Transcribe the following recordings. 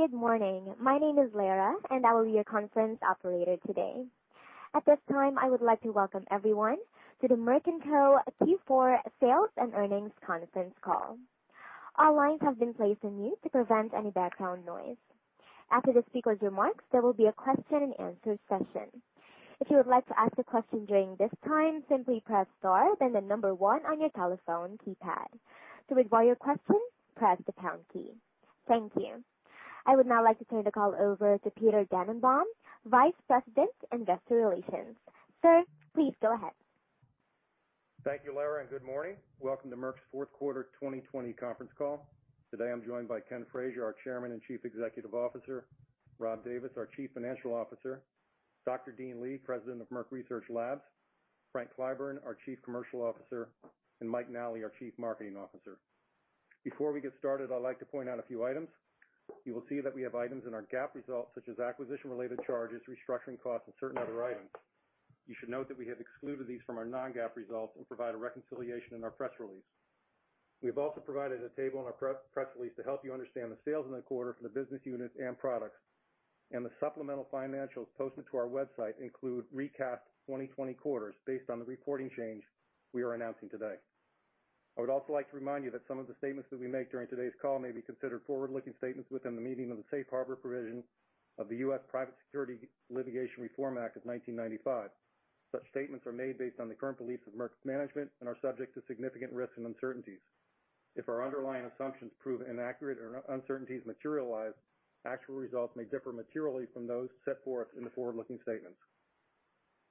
Good morning. My name is Lara. I will be your conference operator today. At this time, I would like to welcome everyone to the Merck & Co. Q4 Sales and Earnings Conference Call. All lines have been placed on mute to prevent any background noise. After the speakers' remarks, there will be a question and answer session. If you would like to ask a question during this time, simply press star, then the number one on your telephone keypad. To withdraw your question, press the pound key. Thank you. I would now like to turn the call over to Peter Dannenbaum, Vice President, Investor Relations. Sir, please go ahead. Thank you, Lara, and good morning. Welcome to Merck's fourth quarter 2020 conference call. Today, I'm joined by Ken Frazier, our Chairman and Chief Executive Officer, Rob Davis, our Chief Financial Officer, Dr. Dean Li, President of Merck Research Labs, Frank Clyburn, our Chief Commercial Officer, and Mike Nally, our Chief Marketing Officer. Before we get started, I'd like to point out a few items. You will see that we have items in our GAAP results, such as acquisition-related charges, restructuring costs, and certain other items. You should note that we have excluded these from our Non-GAAP results and provide a reconciliation in our press release. We have also provided a table in our press release to help you understand the sales in the quarter for the business units and products, and the supplemental financials posted to our website include recast 2020 quarters based on the reporting change we are announcing today. I would also like to remind you that some of the statements that we make during today's call may be considered forward-looking statements within the meaning of the Safe Harbor provision of the U.S. Private Securities Litigation Reform Act of 1995. Such statements are made based on the current beliefs of Merck's management and are subject to significant risks and uncertainties. If our underlying assumptions prove inaccurate or uncertainties materialize, actual results may differ materially from those set forth in the forward-looking statements.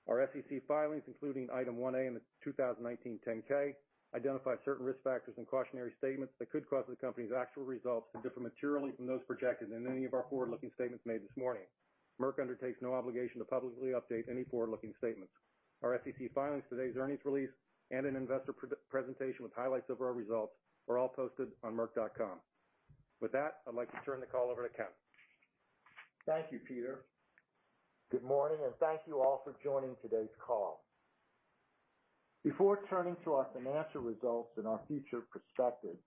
Our SEC filings, including Item 1A in the 2019 10-K, identify certain risk factors and cautionary statements that could cause the company's actual results to differ materially from those projected in any of our forward-looking statements made this morning. Merck undertakes no obligation to publicly update any forward-looking statements. Our SEC filings, today's earnings release, and an investor presentation with highlights of our results are all posted on merck.com. With that, I'd like to turn the call over to Ken. Thank you, Peter. Good morning, thank you all for joining today's call. Before turning to our financial results and our future perspective,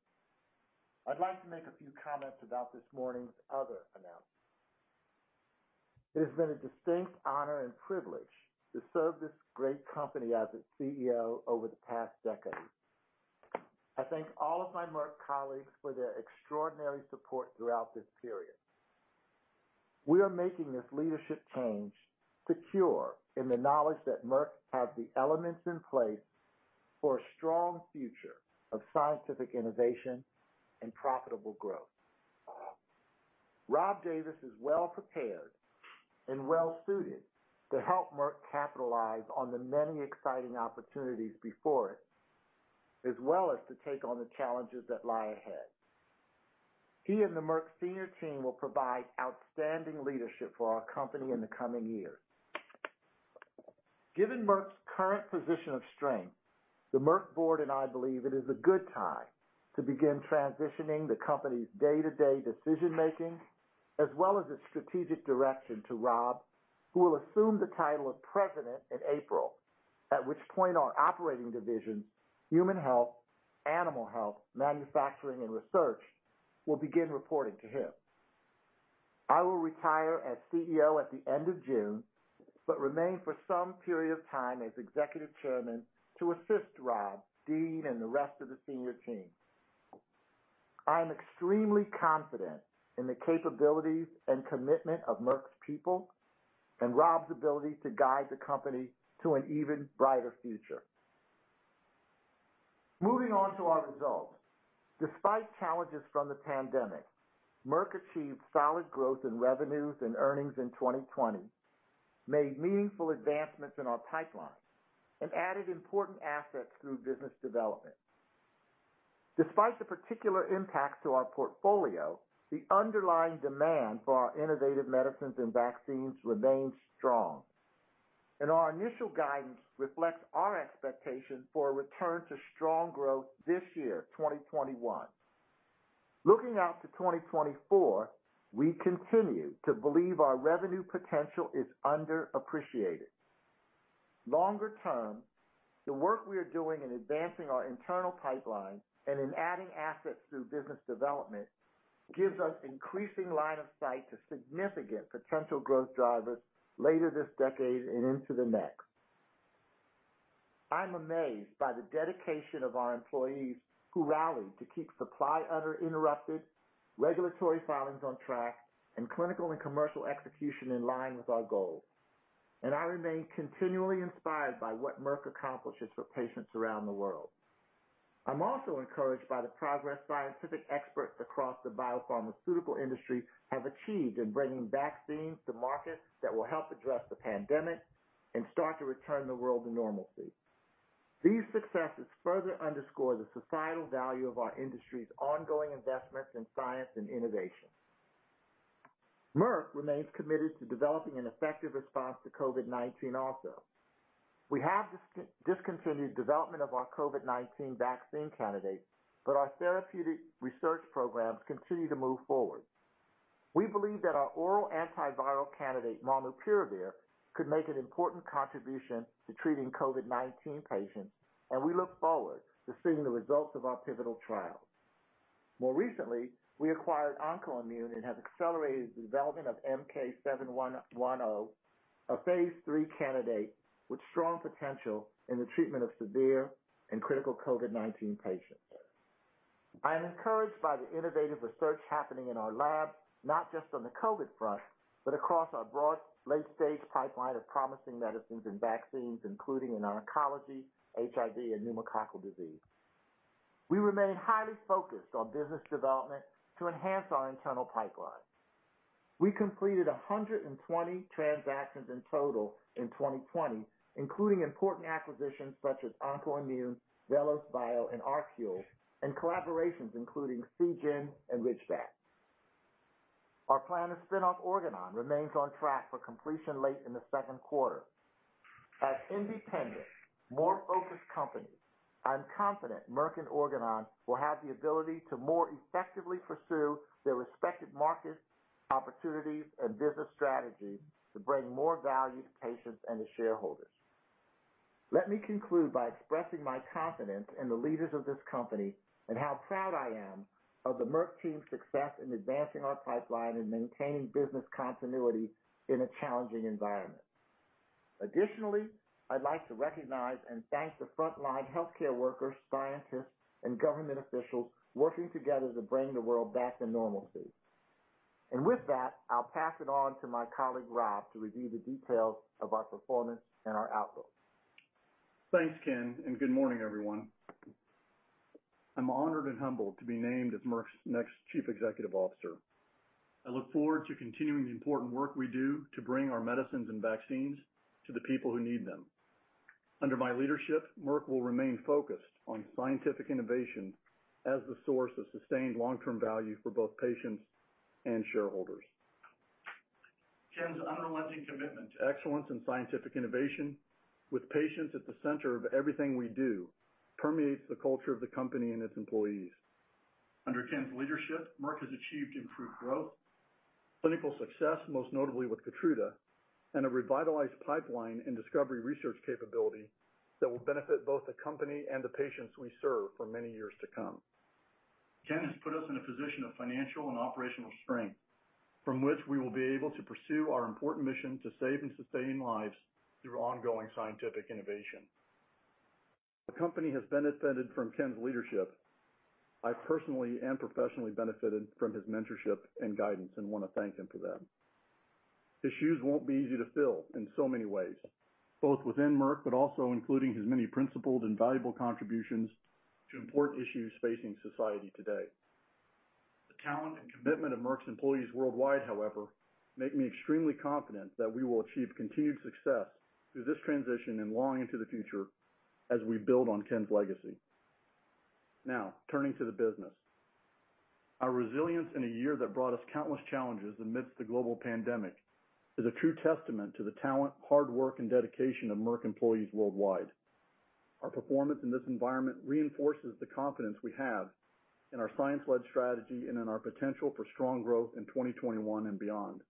I'd like to make a few comments about this morning's other announcement. It has been a distinct honor and privilege to serve this great company as its CEO over the past decade. I thank all of my Merck colleagues for their extraordinary support throughout this period. We are making this leadership change secure in the knowledge that Merck has the elements in place for a strong future of scientific innovation and profitable growth. Rob Davis is well-prepared and well-suited to help Merck capitalize on the many exciting opportunities before it, as well as to take on the challenges that lie ahead. He and the Merck senior team will provide outstanding leadership for our company in the coming years. Given Merck's current position of strength, the Merck Board and I believe it is a good time to begin transitioning the company's day-to-day decision-making, as well as its strategic direction to Rob, who will assume the title of President in April, at which point our operating divisions, Human Health, Animal Health, Manufacturing, and Research, will begin reporting to him. I will retire as CEO at the end of June, but remain for some period of time as Executive Chairman to assist Rob, Dean, and the rest of the senior team. I am extremely confident in the capabilities and commitment of Merck's people and Rob's ability to guide the company to an even brighter future. Moving on to our results. Despite challenges from the pandemic, Merck achieved solid growth in revenues and earnings in 2020, made meaningful advancements in our pipeline, and added important assets through business development. Despite the particular impact to our portfolio, the underlying demand for our innovative medicines and vaccines remains strong, and our initial guidance reflects our expectation for a return to strong growth this year, 2021. Looking out to 2024, we continue to believe our revenue potential is underappreciated. Longer term, the work we are doing in advancing our internal pipeline and in adding assets through business development gives us increasing line of sight to significant potential growth drivers later this decade and into the next. I'm amazed by the dedication of our employees who rallied to keep supply uninterrupted, regulatory filings on track, and clinical and commercial execution in line with our goals. I remain continually inspired by what Merck accomplishes for patients around the world. I'm also encouraged by the progress scientific experts across the biopharmaceutical industry have achieved in bringing vaccines to market that will help address the pandemic and start to return the world to normalcy. These successes further underscore the societal value of our industry's ongoing investments in science and innovation. Merck remains committed to developing an effective response to COVID-19 also. We have discontinued development of our COVID-19 vaccine candidate, but our therapeutic research programs continue to move forward. We believe that our oral antiviral candidate, molnupiravir, could make an important contribution to treating COVID-19 patients, and we look forward to seeing the results of our pivotal trials. More recently, we acquired OncoImmune and have accelerated the development of MK-7110, a phase III candidate with strong potential in the treatment of severe and critical COVID-19 patients. I am encouraged by the innovative research happening in our lab, not just on the COVID-19 front, but across our broad late-stage pipeline of promising medicines and vaccines, including in oncology, HIV, and pneumococcal disease. We remain highly focused on business development to enhance our internal pipeline. We completed 120 transactions in total in 2020, including important acquisitions such as OncoImmune, VelosBio, and ArQule, and collaborations including Seagen and Ridgeback. Our plan to spin off Organon remains on track for completion late in the second quarter. As independent, more focused companies, I'm confident Merck and Organon will have the ability to more effectively pursue their respective markets, opportunities, and business strategies to bring more value to patients and to shareholders. Let me conclude by expressing my confidence in the leaders of this company and how proud I am of the Merck team's success in advancing our pipeline and maintaining business continuity in a challenging environment. Additionally, I'd like to recognize and thank the frontline healthcare workers, scientists, and government officials working together to bring the world back to normalcy. With that, I'll pass it on to my colleague, Rob, to review the details of our performance and our outlook. Thanks, Ken. Good morning, everyone. I'm honored and humbled to be named as Merck's next Chief Executive Officer. I look forward to continuing the important work we do to bring our medicines and vaccines to the people who need them. Under my leadership, Merck will remain focused on scientific innovation as the source of sustained long-term value for both patients and shareholders. Ken's unrelenting commitment to excellence in scientific innovation with patients at the center of everything we do permeates the culture of the company and its employees. Under Ken's leadership, Merck has achieved improved growth, clinical success, most notably with KEYTRUDA, and a revitalized pipeline and discovery research capability that will benefit both the company and the patients we serve for many years to come. Ken has put us in a position of financial and operational strength, from which we will be able to pursue our important mission to save and sustain lives through ongoing scientific innovation. The company has benefited from Ken's leadership. I personally and professionally benefited from his mentorship and guidance, and want to thank him for that. His shoes won't be easy to fill in so many ways, both within Merck, but also including his many principled and valuable contributions to important issues facing society today. The talent and commitment of Merck's employees worldwide, however, make me extremely confident that we will achieve continued success through this transition and long into the future as we build on Ken's legacy. Now, turning to the business. Our resilience in a year that brought us countless challenges amidst the global pandemic is a true testament to the talent, hard work, and dedication of Merck employees worldwide. Our performance in this environment reinforces the confidence we have in our science-led strategy and in our potential for strong growth in 2021 and beyond.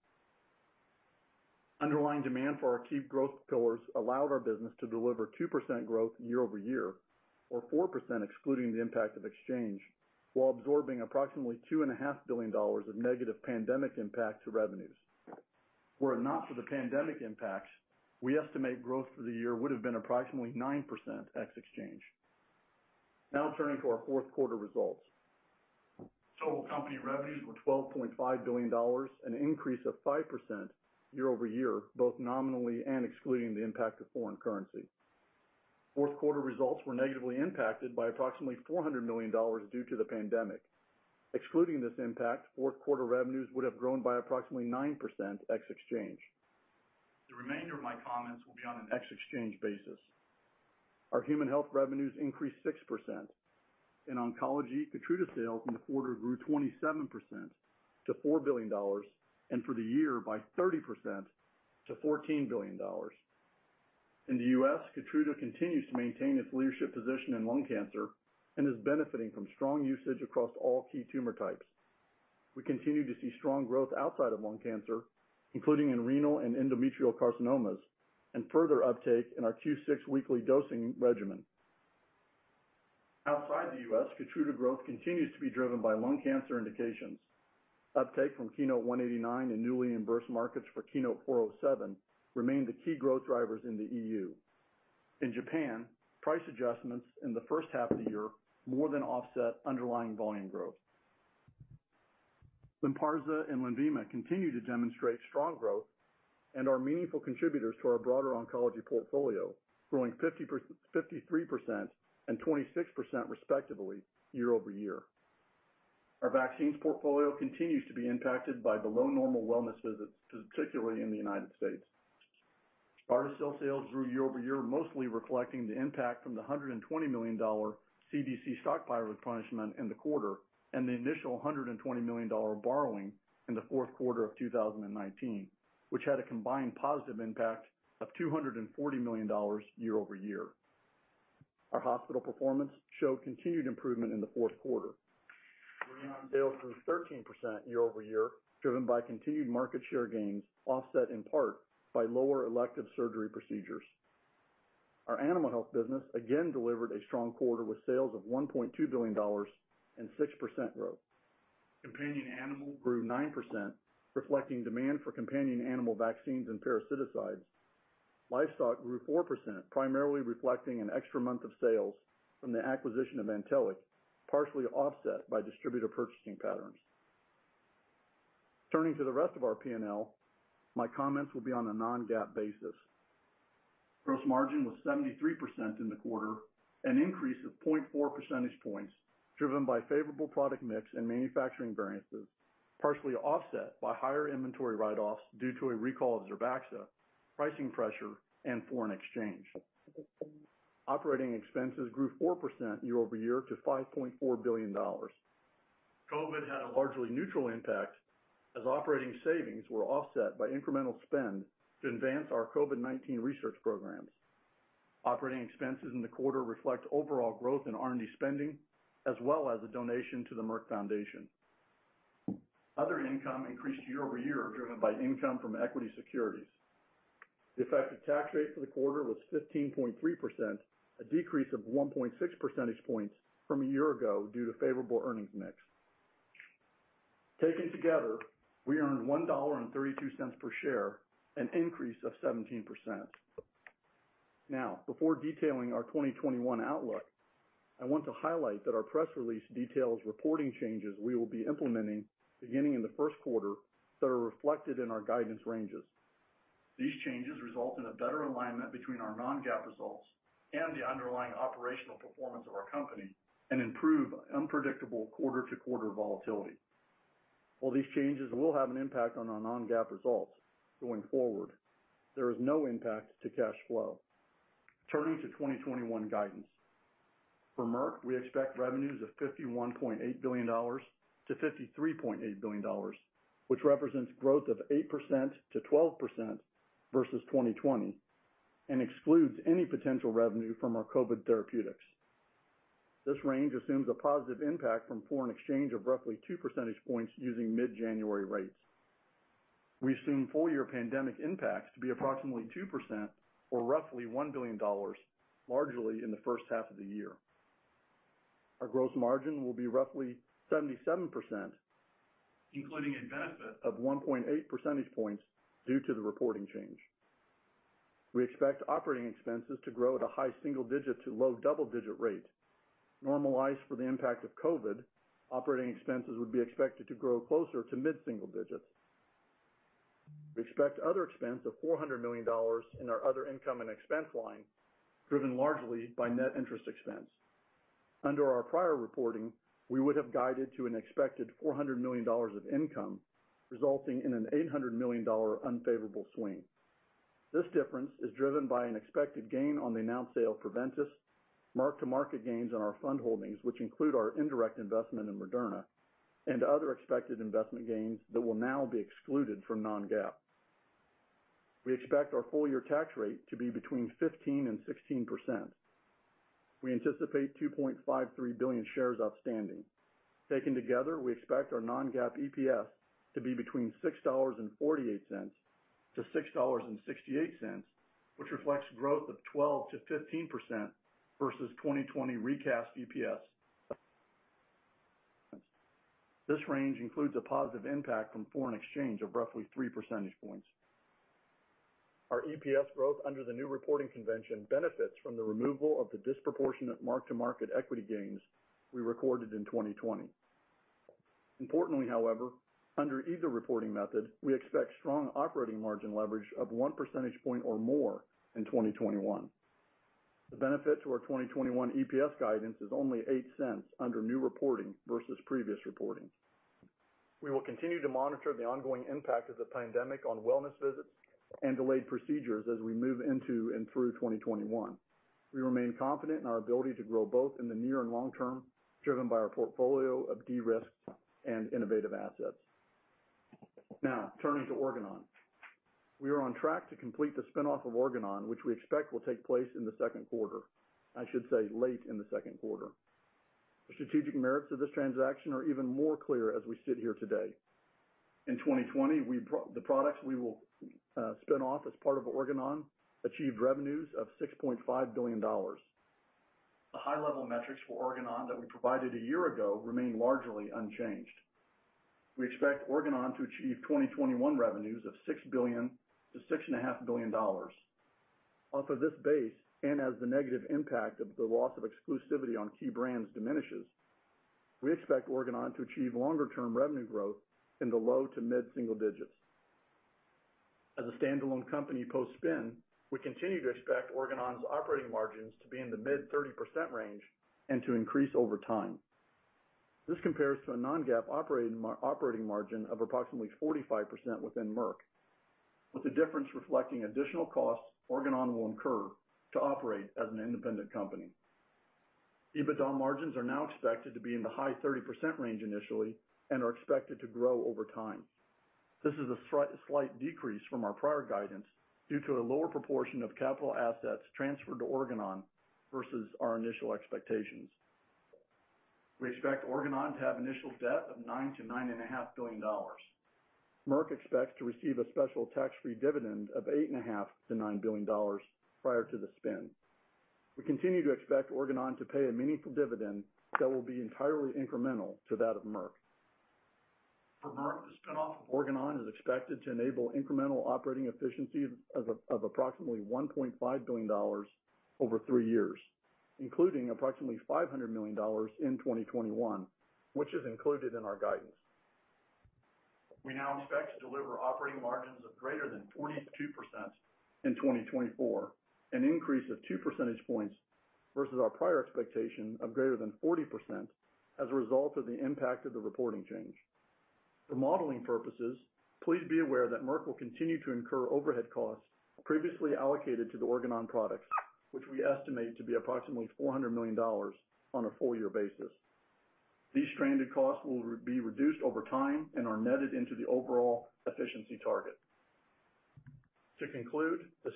Underlying demand for our key growth pillars allowed our business to deliver 2% growth year-over-year, or 4% excluding the impact of exchange, while absorbing approximately $2.5 billion of negative pandemic impact to revenues. Were it not for the pandemic impacts, we estimate growth for the year would have been approximately 9% ex exchange. Turning to our fourth quarter results. Total company revenues were $12.5 billion, an increase of 5% year-over-year, both nominally and excluding the impact of foreign currency. Fourth quarter results were negatively impacted by approximately $400 million due to the pandemic. Excluding this impact, Fourth quarter revenues would have grown by approximately 9% ex exchange. The remainder of my comments will be on an ex-exchange basis. Our human health revenues increased 6%. In oncology, KEYTRUDA sales in the quarter grew 27% - $4 billion, and for the year by 30% - $14 billion. In the U.S., KEYTRUDA continues to maintain its leadership position in lung cancer and is benefiting from strong usage across all key tumor types. We continue to see strong growth outside of lung cancer, including in renal and endometrial carcinomas, and further uptake in our Q6 weekly dosing regimen. Outside the U.S., KEYTRUDA growth continues to be driven by lung cancer indications. Uptake from KEYNOTE-189 and newly reimbursed markets for KEYNOTE-407 remain the key growth drivers in the EU. In Japan, price adjustments in the first half of the year more than offset underlying volume growth. LYNPARZA and LENVIMA continue to demonstrate strong growth and are meaningful contributors to our broader oncology portfolio, growing 53% and 26% respectively year-over-year. Our vaccines portfolio continues to be impacted by below-normal wellness visits, particularly in the U.S. GARDASIL sales grew year-over-year, mostly reflecting the impact from the $120 million CDC stockpile replenishment in the quarter, and the initial $120 million borrowing in the fourth quarter of 2019, which had a combined positive impact of $240 million year-over-year. Our hospital performance showed continued improvement in the fourth quarter. RECOMBIVAX sales grew 13% year-over-year, driven by continued market share gains, offset in part by lower elective surgery procedures. Our animal health business again delivered a strong quarter with sales of $1.2 billion and 6% growth. Companion animal grew 9%, reflecting demand for companion animal vaccines and parasiticides. Livestock grew 4%, primarily reflecting an extra month of sales from the acquisition of Antelliq, partially offset by distributor purchasing patterns. Turning to the rest of our P&L, my comments will be on a Non-GAAP basis. Gross margin was 73% in the quarter, an increase of 0.4 percentage points driven by favorable product mix and manufacturing variances, partially offset by higher inventory write-offs due to a recall of Zerbaxa, pricing pressure, and foreign exchange. Operating expenses grew 4% year-over-year - $5.4 billion. COVID had a largely neutral impact as operating savings were offset by incremental spend to advance our COVID-19 research programs. Operating expenses in the quarter reflect overall growth in R&D spending, as well as a donation to the Merck Foundation. Other income increased year-over-year, driven by income from equity securities. The effective tax rate for the quarter was 15.3%, a decrease of 1.6 percentage points from a year ago due to favorable earnings mix. Taken together, we earned $1.32 per share, an increase of 17%. Now, before detailing our 2021 outlook, I want to highlight that our press release details reporting changes we will be implementing beginning in the first quarter that are reflected in our guidance ranges. These changes result in a better alignment between our Non-GAAP results and the underlying operational performance of our company and improve unpredictable quarter-to-quarter volatility. While these changes will have an impact on our Non-GAAP results going forward, there is no impact to cash flow. Turning to 2021 guidance. For Merck, we expect revenues of $51.8 billion-$53.8 billion, which represents growth of 8%-12% versus 2020 and excludes any potential revenue from our COVID therapeutics. This range assumes a positive impact from foreign exchange of roughly two percentage points using mid-January rates. We assume full-year pandemic impacts to be approximately 2% or roughly $1 billion, largely in the first half of the year. Our gross margin will be roughly 77%, including a benefit of 1.8 percentage points due to the reporting change. We expect operating expenses to grow at a high single-digit to low double-digit rate. Normalized for the impact of COVID, operating expenses would be expected to grow closer to mid-single digits. We expect other expense of $400 million in our other income and expense line, driven largely by net interest expense. Under our prior reporting, we would have guided to an expected $400 million of income, resulting in an $800 million unfavorable swing. This difference is driven by an expected gain on the announced sale of Preventice, mark-to-market gains on our fund holdings, which include our indirect investment in Moderna, and other expected investment gains that will now be excluded from Non-GAAP. We expect our full-year tax rate to be between 15% and 16%. We anticipate 2.53 billion shares outstanding. Taken together, we expect our Non-GAAP EPS to be between $6.48 - $6.68, which reflects growth of 12% - 15% versus 2020 recast EPS. This range includes a positive impact from foreign exchange of roughly three percentage points. Our EPS growth under the new reporting convention benefits from the removal of the disproportionate mark-to-market equity gains we recorded in 2020. Importantly, however, under either reporting method, we expect strong operating margin leverage of one percentage point or more in 2021. The benefit to our 2021 EPS guidance is only $0.08 under new reporting versus previous reporting. We will continue to monitor the ongoing impact of the pandemic on wellness visits and delayed procedures as we move into and through 2021. We remain confident in our ability to grow both in the near and long term, driven by our portfolio of de-risked and innovative assets. Turning to Organon. We are on track to complete the spin-off of Organon, which we expect will take place in the second quarter. I should say late in the second quarter. The strategic merits of this transaction are even more clear as we sit here today. In 2020, the products we will spin off as part of Organon achieved revenues of $6.5 billion. The high-level metrics for Organon that we provided a year ago remain largely unchanged. We expect Organon to achieve 2021 revenues of $6 billion-$6.5 billion. Off of this base, as the negative impact of the loss of exclusivity on key brands diminishes, we expect Organon to achieve longer-term revenue growth in the low to mid-single digits. As a standalone company post-spin, we continue to expect Organon's operating margins to be in the mid-30% range and to increase over time. This compares to a Non-GAAP operating margin of approximately 45% within Merck, with the difference reflecting additional costs Organon will incur to operate as an independent company. EBITDA margins are now expected to be in the high 30% range initially and are expected to grow over time. This is a slight decrease from our prior guidance due to a lower proportion of capital assets transferred to Organon versus our initial expectations. We expect Organon to have initial debt of $9 billion-$9.5 billion. Merck expects to receive a special tax-free dividend of $8.5 billion-$9 billion prior to the spin. We continue to expect Organon to pay a meaningful dividend that will be entirely incremental to that of Merck. For Merck, the spin-off of Organon is expected to enable incremental operating efficiencies of approximately $1.5 billion over three years, including approximately $500 million in 2021, which is included in our guidance. We now expect to deliver operating margins of greater than 42% in 2024, an increase of two percentage points versus our prior expectation of greater than 40% as a result of the impact of the reporting change. For modeling purposes, please be aware that Merck will continue to incur overhead costs previously allocated to the Organon products, which we estimate to be approximately $400 million on a full-year basis. These stranded costs will be reduced over time and are netted into the overall efficiency target. The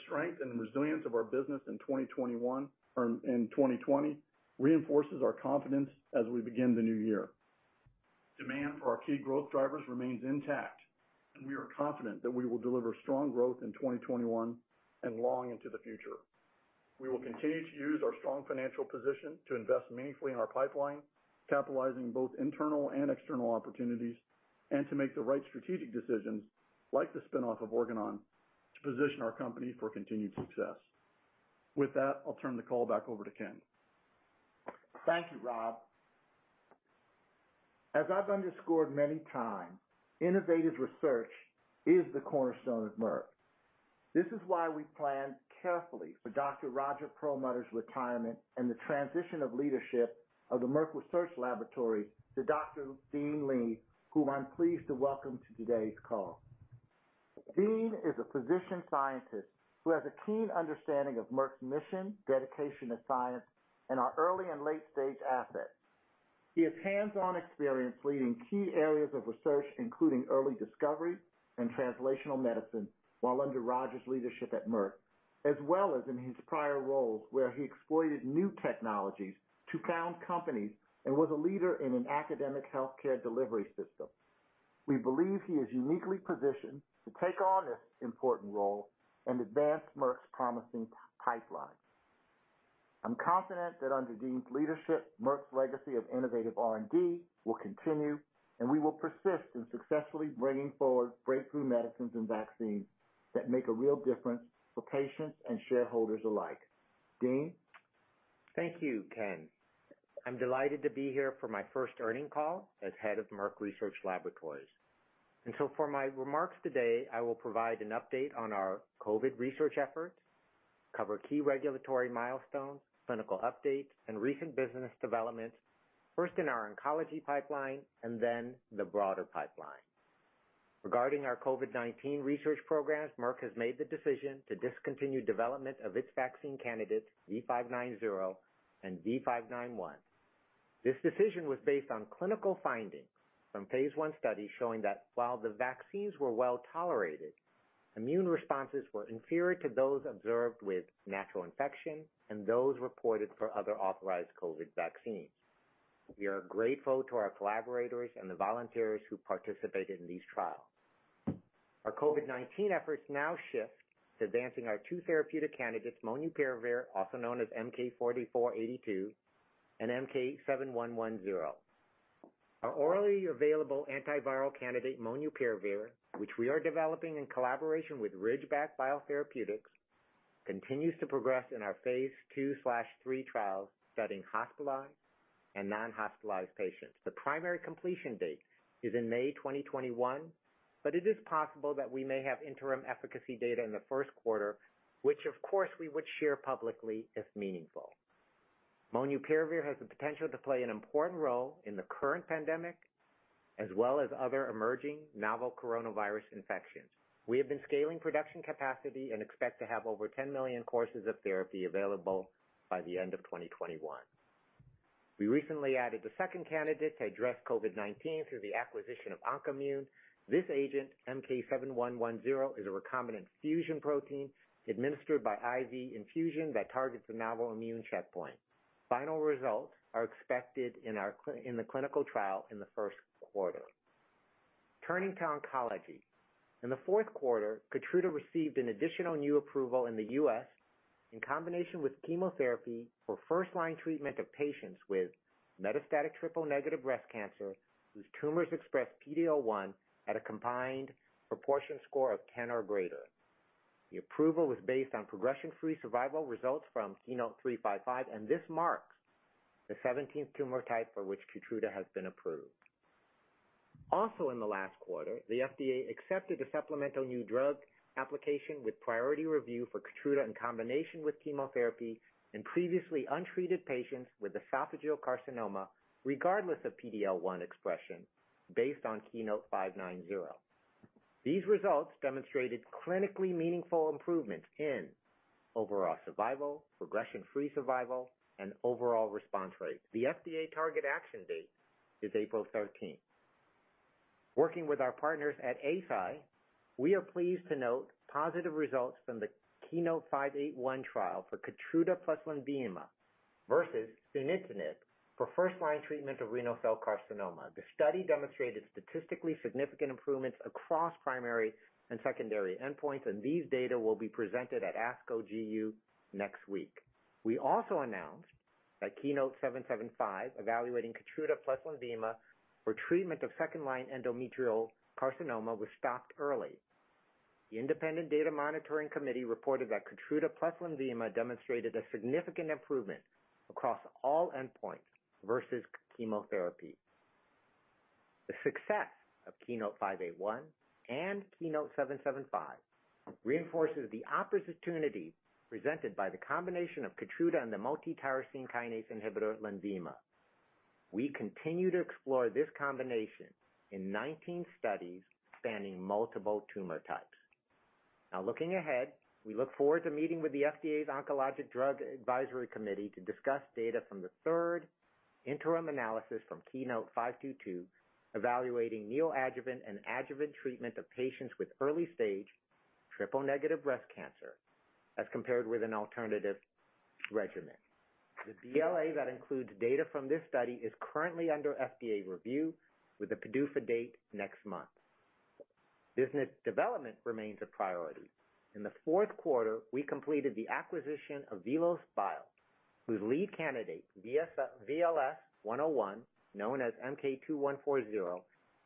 strength and resilience of our business in 2020 reinforces our confidence as we begin the new year. Demand for our key growth drivers remains intact, and we are confident that we will deliver strong growth in 2021 and long into the future. We will continue to use our strong financial position to invest meaningfully in our pipeline, capitalizing both internal and external opportunities, and to make the right strategic decisions, like the spin-off of Organon, to position our company for continued success. With that, I'll turn the call back over to Ken. Thank you, Rob. As I've underscored many times, innovative research is the cornerstone of Merck. This is why we planned carefully for Dr. Roger Perlmutter's retirement and the transition of leadership of the Merck Research Laboratories to Dr. Dean Li, whom I'm pleased to welcome to today's call. Dean is a physician-scientist who has a keen understanding of Merck's mission, dedication to science, and our early and late-stage assets. He has hands-on experience leading key areas of research, including early discovery and translational medicine while under Roger's leadership at Merck, as well as in his prior roles where he exploited new technologies to found companies and was a leader in an academic healthcare delivery system. We believe he is uniquely positioned to take on this important role and advance Merck's promising pipeline. I'm confident that under Dean's leadership, Merck's legacy of innovative R&D will continue, and we will persist in successfully bringing forward breakthrough medicines and vaccines that make a real difference for patients and shareholders alike. Dean? Thank you, Ken. I'm delighted to be here for my first earning call as head of Merck Research Laboratories. For my remarks today, I will provide an update on our COVID-19 research efforts, cover key regulatory milestones, clinical updates, and recent business developments, first in our oncology pipeline and then the broader pipeline. Regarding our COVID-19 research programs, Merck has made the decision to discontinue development of its vaccine candidates, V590 and V591. This decision was based on clinical findings from phase I studies showing that while the vaccines were well-tolerated, immune responses were inferior to those observed with natural infection and those reported for other authorized COVID-19 vaccines. We are grateful to our collaborators and the volunteers who participated in these trials. Our COVID-19 efforts now shift to advancing our two therapeutic candidates, molnupiravir, also known as MK-4482, and MK-7110. Our orally available antiviral candidate, molnupiravir, which we are developing in collaboration with Ridgeback Biotherapeutics, continues to progress in our phase II/III trials studying hospitalized and non-hospitalized patients. The primary completion date is in May 2021. It is possible that we may have interim efficacy data in the first quarter, which, of course, we would share publicly if meaningful. Molnupiravir has the potential to play an important role in the current pandemic, as well as other emerging novel coronavirus infections. We have been scaling production capacity and expect to have over 10 million courses of therapy available by the end of 2021. We recently added the second candidate to address COVID-19 through the acquisition of OncoImmune. This agent, MK-7110, is a recombinant fusion protein administered by IV infusion that targets the novel immune checkpoint. Final results are expected in the clinical trial in the first quarter. Turning to oncology. In the fourth quarter, KEYTRUDA received an additional new approval in the U.S. in combination with chemotherapy for first-line treatment of patients with metastatic triple-negative breast cancer whose tumors express PD-L1 at a combined proportion score of 10 or greater. The approval was based on progression-free survival results from KEYNOTE-355. This marks the 17th tumor type for which KEYTRUDA has been approved. In the last quarter, the FDA accepted a supplemental new drug application with priority review for KEYTRUDA in combination with chemotherapy in previously untreated patients with esophageal carcinoma, regardless of PD-L1 expression, based on KEYNOTE-590. These results demonstrated clinically meaningful improvements in overall survival, progression-free survival, and overall response rate. The FDA target action date is April 13th. Working with our partners at Eisai, we are pleased to note positive results from the KEYNOTE-581 trial for KEYTRUDA + LENVIMA versus sunitinib for first-line treatment of renal cell carcinoma. The study demonstrated statistically significant improvements across primary and secondary endpoints, and these data will be presented at ASCO GU next week. We also announced that KEYNOTE-775, evaluating KEYTRUDA + LENVIMA for treatment of second-line endometrial carcinoma, was stopped early. The independent data monitoring committee reported that KEYTRUDA + LENVIMA demonstrated a significant improvement across all endpoints versus chemotherapy. The success of KEYNOTE-581 and KEYNOTE-775 reinforces the opportunity presented by the combination of KEYTRUDA and the multi-tyrosine kinase inhibitor LENVIMA. We continue to explore this combination in 19 studies spanning multiple tumor types. Now looking ahead, we look forward to meeting with the FDA's Oncologic Drugs Advisory Committee to discuss data from the third interim analysis from KEYNOTE-522, evaluating neoadjuvant and adjuvant treatment of patients with early-stage triple-negative breast cancer as compared with an alternative regimen. The BLA that includes data from this study is currently under FDA review with a PDUFA date next month. Business development remains a priority. In the fourth quarter, we completed the acquisition of VelosBio, whose lead candidate, VLS-101, known as MK-2140,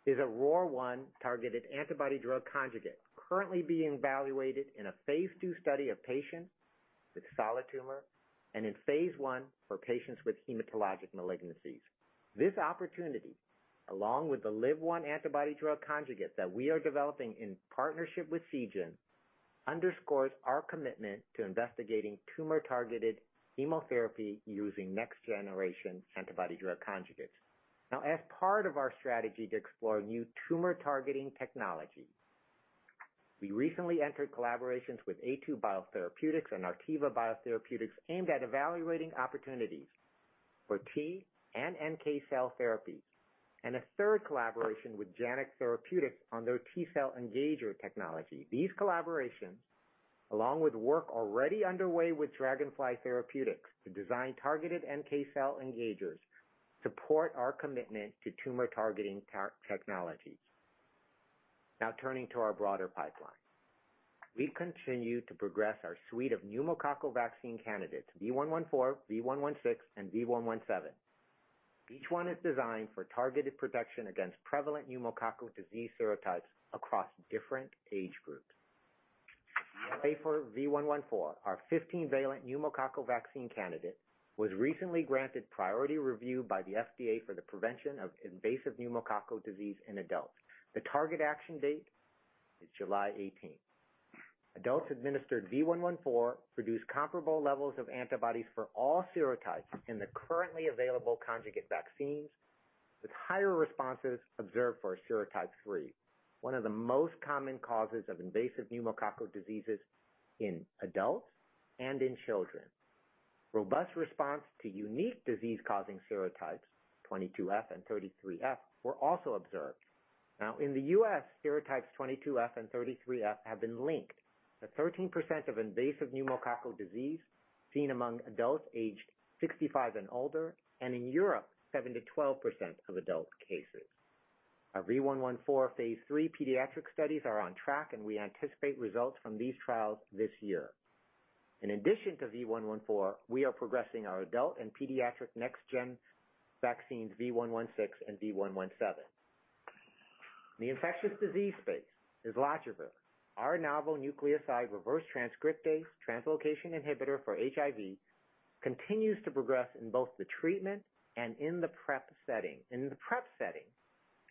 is a ROR1-targeted antibody-drug conjugate currently being evaluated in a phase II study of patients with solid tumor and in phase I for patients with hematologic malignancies. This opportunity, along with the LIV-1 antibody-drug conjugate that we are developing in partnership with Seagen, underscores our commitment to investigating tumor-targeted chemotherapy using next-generation antibody-drug conjugates. As part of our strategy to explore new tumor-targeting technology, we recently entered collaborations with A2 Biotherapeutics and Artiva Biotherapeutics aimed at evaluating opportunities for T and NK cell therapies, and a third collaboration with Janux Therapeutics on their T cell engager technology. These collaborations, along with work already underway with Dragonfly Therapeutics to design targeted NK cell engagers, support our commitment to tumor-targeting technologies. Turning to our broader pipeline. We continue to progress our suite of pneumococcal vaccine candidates, V114, V116, and V117. Each one is designed for targeted protection against prevalent pneumococcal disease serotypes across different age groups. BLA for V114, our 15-valent pneumococcal vaccine candidate, was recently granted priority review by the FDA for the prevention of invasive pneumococcal disease in adults. The target action date is July 18th. Adults administered V114 produced comparable levels of antibodies for all serotypes in the currently available conjugate vaccines, with higher responses observed for serotype three, one of the most common causes of invasive pneumococcal diseases in adults and in children. Robust response to unique disease-causing serotypes, 22F and 33F, were also observed. In the U.S., serotypes 22F and 33F have been linked to 13% of invasive pneumococcal disease seen among adults aged 65 and older, and in Europe, 7%-12% of adult cases. Our V114 phase III pediatric studies are on track, and we anticipate results from these trials this year. In addition to V114, we are progressing our adult and pediatric next-gen vaccines V116 and V117. In the infectious disease space, islatravir, our novel nucleoside reverse transcriptase translocation inhibitor for HIV, continues to progress in both the treatment and in the PrEP setting. In the PrEP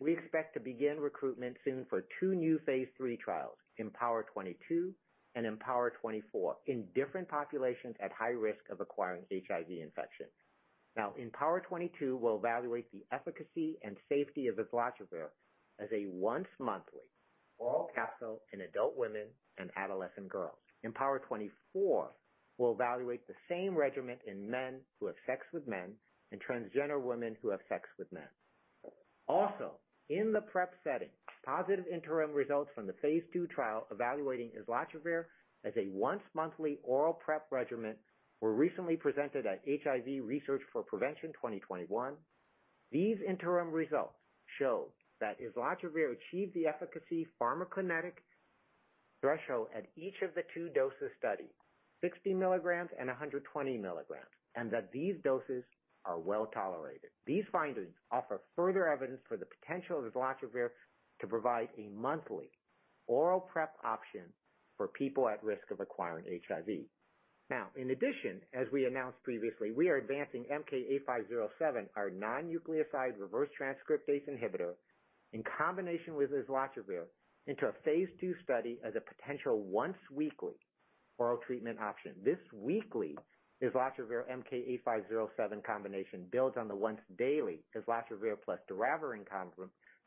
setting, we expect to begin recruitment soon for two new Phase III trials, IMPOWER 22 and IMPOWER 24, in different populations at high risk of acquiring HIV infection. Now, IMPOWER 22 will evaluate the efficacy and safety of islatravir as a once-monthly oral capsule in adult women and adolescent girls. IMPOWER 24 will evaluate the same regimen in men who have sex with men and transgender women who have sex with men. Also, in the PrEP setting, positive interim results from the Phase II trial evaluating islatravir as a once-monthly oral PrEP regimen were recently presented at HIV Research for Prevention 2021. These interim results show that islatravir achieved the efficacy pharmacokinetic threshold at each of the two doses studied, 60 milligrams and 120 milligrams, and that these doses are well-tolerated. These findings offer further evidence for the potential of islatravir to provide a monthly oral PrEP option for people at risk of acquiring HIV. In addition, as we announced previously, we are advancing MK-8507, our non-nucleoside reverse transcriptase inhibitor, in combination with islatravir into a phase II study as a potential once-weekly oral treatment option. This weekly islatravir/MK-8507 combination builds on the once-daily islatravir + doravirine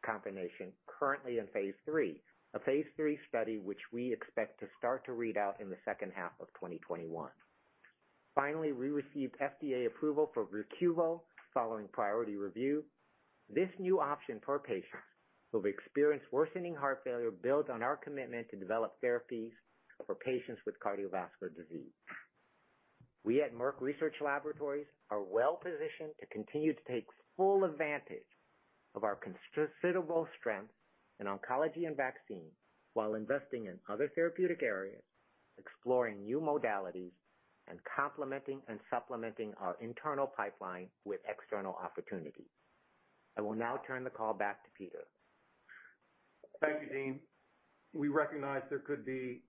combination currently in phase III, a phase III study which we expect to start to read out in the second half of 2021. We received FDA approval for VERQUVO following priority review. This new option for patients who've experienced worsening heart failure builds on our commitment to develop therapies for patients with cardiovascular disease. We at Merck Research Laboratories are well-positioned to continue to take full advantage of our considerable strength in oncology and vaccine, while investing in other therapeutic areas, exploring new modalities, and complementing and supplementing our internal pipeline with external opportunities. I will now turn the call back to Peter. Thank you, Dean. We recognize there could be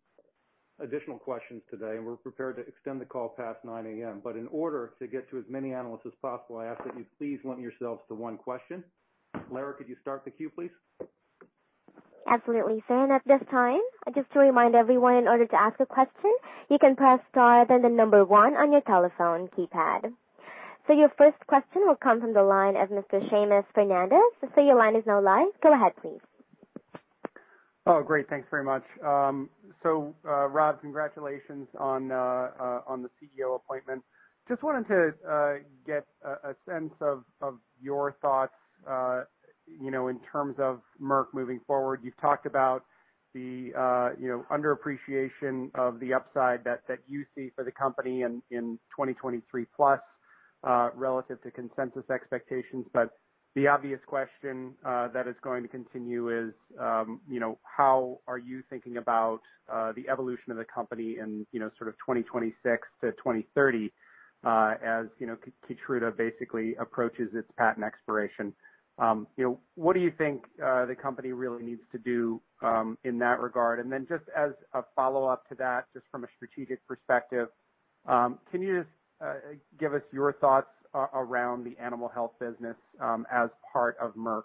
additional questions today. We're prepared to extend the call past 9:00 A.M. In order to get to as many analysts as possible, I ask that you please limit yourselves to one question. Lara, could you start the queue, please? Absolutely, sir. Your first question will come from the line of Mr. Seamus Fernandez. Sir, your line is now live. Go ahead, please. Great. Thanks very much. Rob, congratulations on the CEO appointment. Just wanted to get a sense of your thoughts, in terms of Merck moving forward. You've talked about the under-appreciation of the upside that you see for the company in 2023 +, relative to consensus expectations. The obvious question that is going to continue is, how are you thinking about the evolution of the company in sort of 2026 - 2030, as KEYTRUDA basically approaches its patent expiration? What do you think the company really needs to do in that regard? Just as a follow-up to that, just from a strategic perspective, can you just give us your thoughts around the animal health business as part of Merck?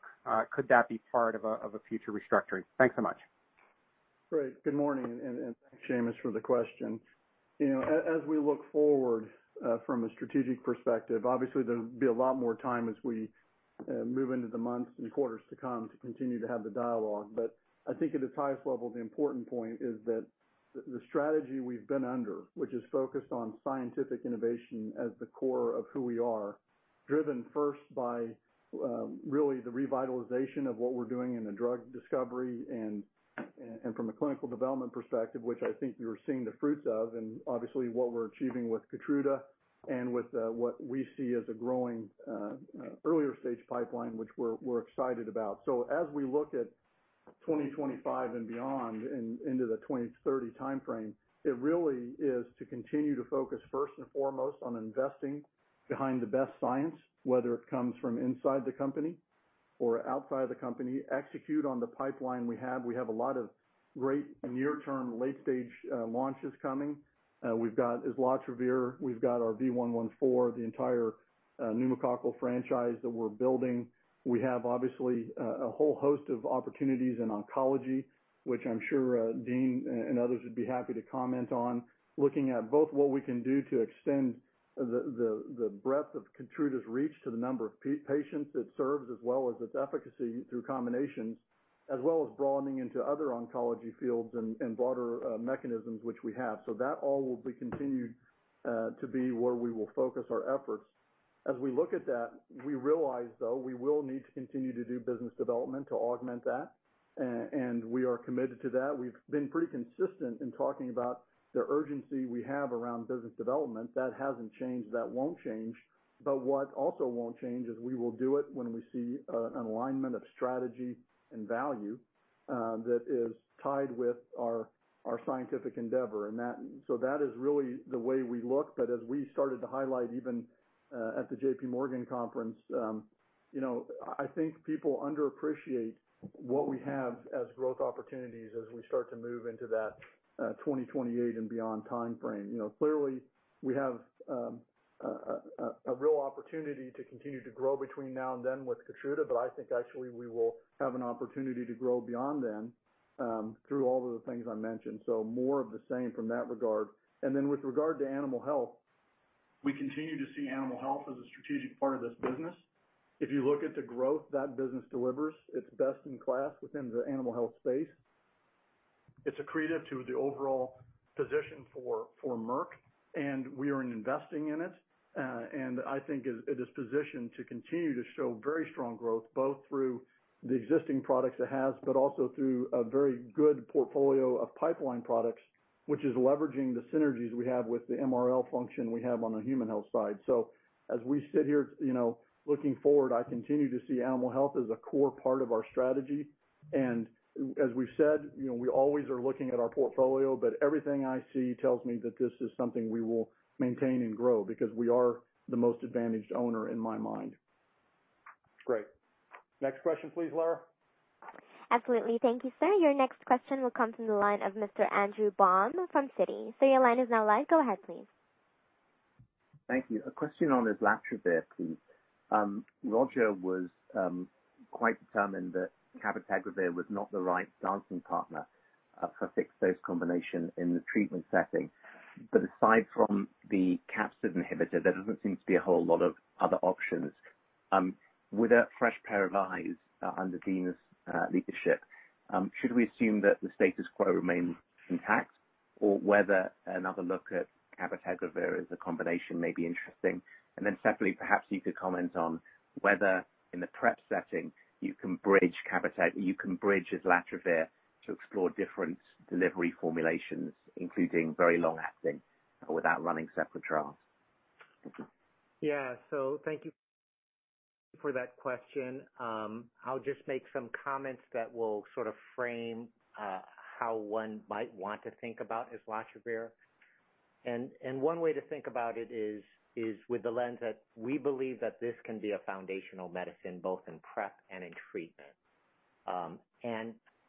Could that be part of a future restructuring? Thanks so much. Great. Good morning, thanks, Seamus, for the question. As we look forward from a strategic perspective, obviously there'll be a lot more time as we move into the months and quarters to come to continue to have the dialogue. I think at its highest level, the important point is that the strategy we've been under, which is focused on scientific innovation as the core of who we are, driven first by really the revitalization of what we're doing in the drug discovery and from a clinical development perspective, which I think we are seeing the fruits of, and obviously what we're achieving with KEYTRUDA and with what we see as a growing earlier stage pipeline, which we're excited about. As we look at 2025 and beyond, and into the 2030 timeframe, it really is to continue to focus first and foremost on investing behind the best science, whether it comes from inside the company or outside the company, execute on the pipeline we have. We have a lot of great near-term, late-stage launches coming. We've got islatravir, we've got our V114, the entire pneumococcal franchise that we're building. We have, obviously, a whole host of opportunities in oncology, which I'm sure Dean and others would be happy to comment on, looking at both what we can do to extend the breadth of KEYTRUDA's reach to the number of patients it serves, as well as its efficacy through combinations, as well as broadening into other oncology fields and broader mechanisms which we have. That all will be continued to be where we will focus our efforts. As we look at that, we realize, though, we will need to continue to do business development to augment that, and we are committed to that. We've been pretty consistent in talking about the urgency we have around business development. That hasn't changed. That won't change. What also won't change is we will do it when we see an alignment of strategy and value that is tied with our scientific endeavor, and so that is really the way we look. As we started to highlight, even at the J.P. Morgan conference, I think people underappreciate what we have as growth opportunities as we start to move into that 2028 and beyond timeframe. Clearly, we have a real opportunity to continue to grow between now and then with KEYTRUDA, but I think actually we will have an opportunity to grow beyond then through all of the things I mentioned. More of the same from that regard. With regard to animal health, we continue to see animal health as a strategic part of this business. If you look at the growth that business delivers, it's best in class within the animal health space. It's accretive to the overall position for Merck, and we are investing in it. I think it is positioned to continue to show very strong growth, both through the existing products it has, but also through a very good portfolio of pipeline products, which is leveraging the synergies we have with the MRL function we have on the human health side. As we sit here, looking forward, I continue to see animal health as a core part of our strategy. As we've said, we always are looking at our portfolio, but everything I see tells me that this is something we will maintain and grow because we are the most advantaged owner in my mind. Great. Next question please, Lara. Absolutely. Thank you, sir. Your next question will come from the line of Mr. Andrew Baum from Citi. Sir, your line is now live. Go ahead please. Thank you. A question on islatravir, please. Roger was quite determined that cabotegravir was not the right dancing partner for fixed-dose combination in the treatment setting. Aside from the capsid inhibitor, there doesn't seem to be a whole lot of other options. With a fresh pair of eyes under Dean's leadership, should we assume that the status quo remains intact or whether another look at cabotegravir as a combination may be interesting? Separately, perhaps you could comment on whether in the PrEP setting you can bridge islatravir to explore different delivery formulations, including very long-acting without running separate trials. Thank you. Yeah. So thank you for that question. I'll just make some comments that will sort of frame how one might want to think about islatravir. One way to think about it is with the lens that we believe that this can be a foundational medicine both in PrEP and in treatment.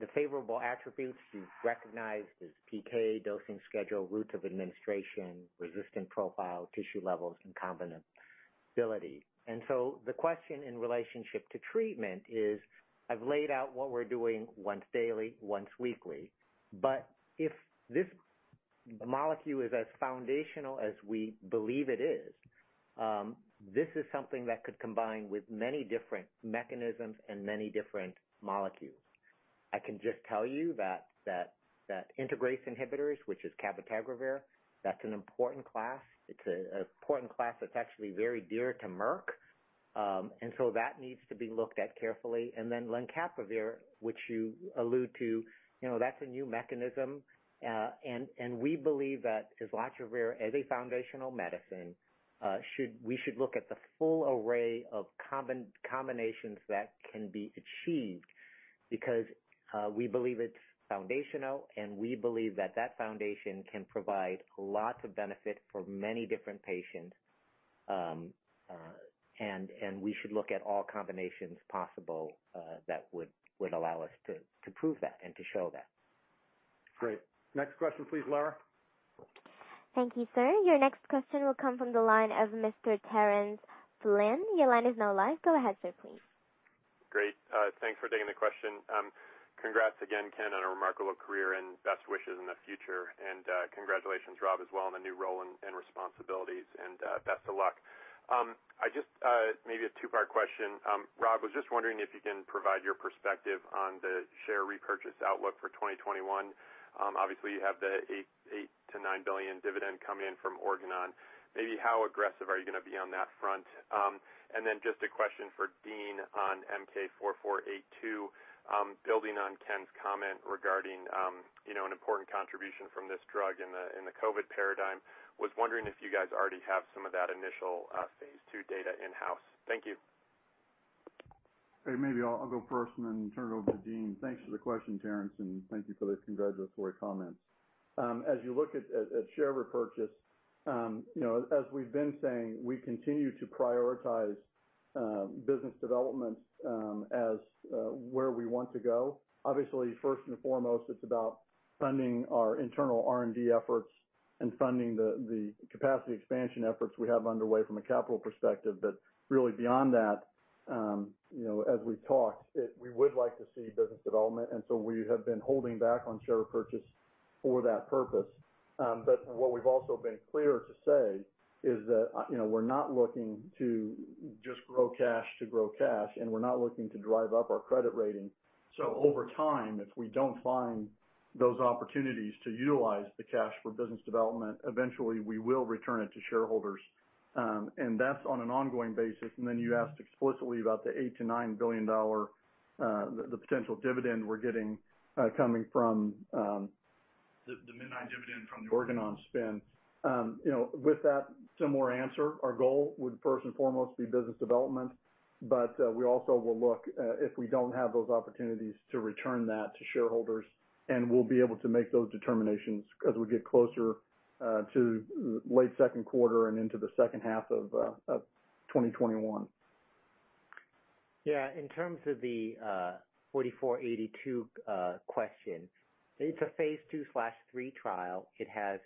The favorable attributes you've recognized is PK dosing schedule, route of administration, resistant profile, tissue levels, and combinability. The question in relationship to treatment is, I've laid out what we're doing once daily, once weekly. If this molecule is as foundational as we believe it is, this is something that could combine with many different mechanisms and many different molecules. I can just tell you that integrase inhibitors, which is cabotegravir, that's an important class. It's an important class that's actually very dear to Merck, and so that needs to be looked at carefully. lenacapavir, which you allude to, that's a new mechanism. We believe that islatravir as a foundational medicine, we should look at the full array of combinations that can be achieved because, we believe it's foundational and we believe that that foundation can provide lots of benefit for many different patients. We should look at all combinations possible, that would allow us to prove that and to show that. Great. Next question, please, Lara. Thank you, sir. Your next question will come from the line of Mr. Terence Flynn. Your line is now live. Go ahead, sir, please. Great. Thanks for taking the question. Congrats again, Ken, on a remarkable career and best wishes in the future. Congratulations, Rob, as well on the new role and responsibilities and, best of luck. Maybe a two-part question. Rob, was just wondering if you can provide your perspective on the share repurchase outlook for 2021. Obviously, you have the $8 billion-$9 billion dividend coming in from Organon. Maybe how aggressive are you going to be on that front? Just a question for Dean on MK-4482. Building on Ken's comment regarding an important contribution from this drug in the COVID paradigm. Was wondering if you guys already have some of that initial phase II data in-house. Thank you. Okay. Maybe I'll go first and then turn it over to Dean. Thanks for the question, Terence, and thank you for the congratulatory comments. As you look at share repurchase, as we've been saying, we continue to prioritize business development, as where we want to go. Obviously, first and foremost, it's about funding our internal R&D efforts and funding the capacity expansion efforts we have underway from a capital perspective. Really beyond that, as we've talked, we would like to see business development, and so we have been holding back on share purchase for that purpose. What we've also been clear to say is that we're not looking to just grow cash to grow cash, and we're not looking to drive up our credit rating. Over time, if we don't find those opportunities to utilize the cash for business development, eventually we will return it to shareholders. That's on an ongoing basis. You asked explicitly about the $8 billion - $9 billion, the potential dividend we're getting coming from the midnight dividend from the Organon spin. With that similar answer, our goal would first and foremost be business development, but we also will look, if we don't have those opportunities, to return that to shareholders, and we'll be able to make those determinations as we get closer to late second quarter and into the second half of 2021. Yeah. In terms of the MK-4482 question, it's a phase II/III trial. It has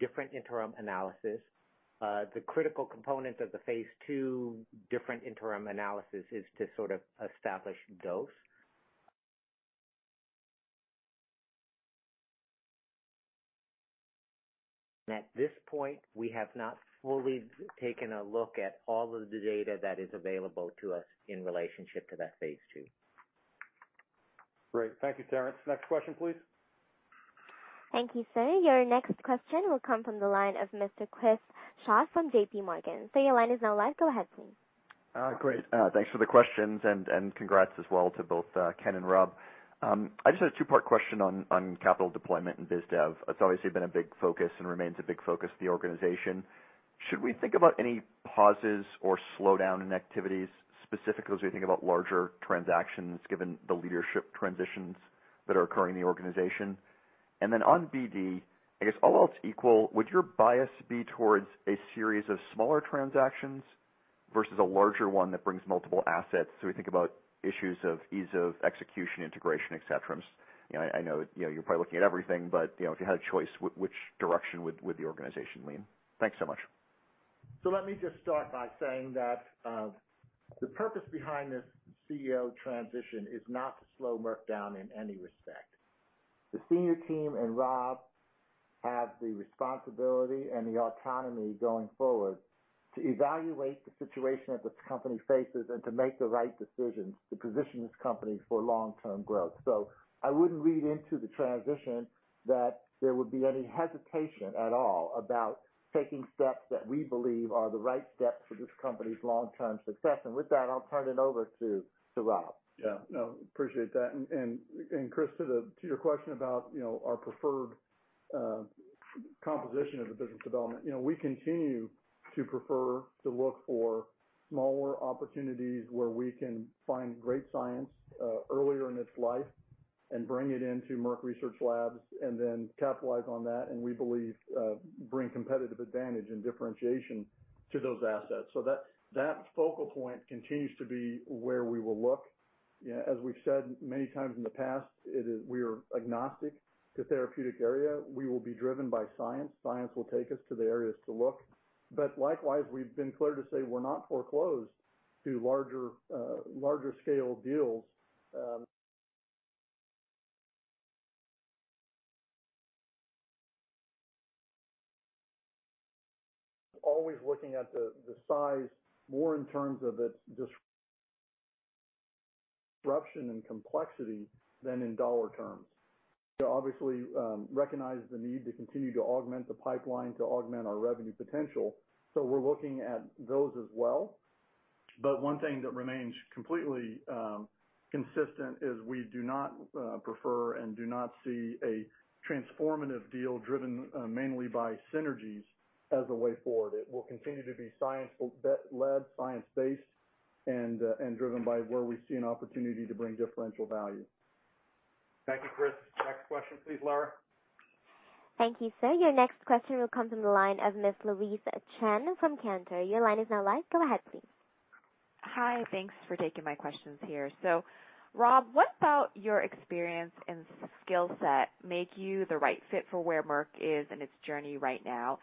different interim analysis. The critical component of the phase II different interim analysis is to sort of establish dose. At this point, we have not fully taken a look at all of the data that is available to us in relationship to that phase II. Great. Thank you, Terence. Next question, please. Thank you, sir. Your next question will come from the line of Mr. Chris Schott from J.P. Morgan. Sir, your line is now live. Go ahead, please. Great. Thanks for the questions and congrats as well to both Ken and Rob. I just had a two-part question on capital deployment and biz dev. It's obviously been a big focus and remains a big focus of the organization. Should we think about any pauses or slowdown in activities, specifically as we think about larger transactions given the leadership transitions that are occurring in the organization? Then on BD, I guess all else equal, would your bias be towards a series of smaller transactions versus a larger one that brings multiple assets? We think about issues of ease of execution, integration, et cetera. I know you're probably looking at everything, but if you had a choice, which direction would the organization lean? Thanks so much. Let me just start by saying that the purpose behind this CEO transition is not to slow Merck down in any respect. The senior team and Rob have the responsibility and the autonomy going forward to evaluate the situation that this company faces and to make the right decisions to position this company for long-term growth. I wouldn't read into the transition that there would be any hesitation at all about taking steps that we believe are the right steps for this company's long-term success. With that, I'll turn it over to Rob. Yeah. No, appreciate that. Chris, to your question about our preferred composition of the business development, we continue to prefer to look for smaller opportunities where we can find great science earlier in its life and bring it into Merck Research Labs, and then capitalize on that, and we believe bring competitive advantage and differentiation to those assets. That focal point continues to be where we will look. As we've said many times in the past, we are agnostic to therapeutic area. We will be driven by science. Science will take us to the areas to look. Likewise, we've been clear to say we're not foreclosed to larger scale deals. Always looking at the size more in terms of its disruption and complexity than in dollar terms. Obviously, recognize the need to continue to augment the pipeline, to augment our revenue potential. We're looking at those as well. One thing that remains completely consistent is we do not prefer and do not see a transformative deal driven mainly by synergies as a way forward. It will continue to be science-led, science-based, and driven by where we see an opportunity to bring differential value. Thank you, Chris. Next question please, Lara. Thank you, sir. Your next question will come from the line of Ms. Louise Chen from Cantor. Your line is now live. Go ahead, please. Hi. Thanks for taking my questions here. Rob, what about your experience and skillset make you the right fit for where Merck is in its journey right now?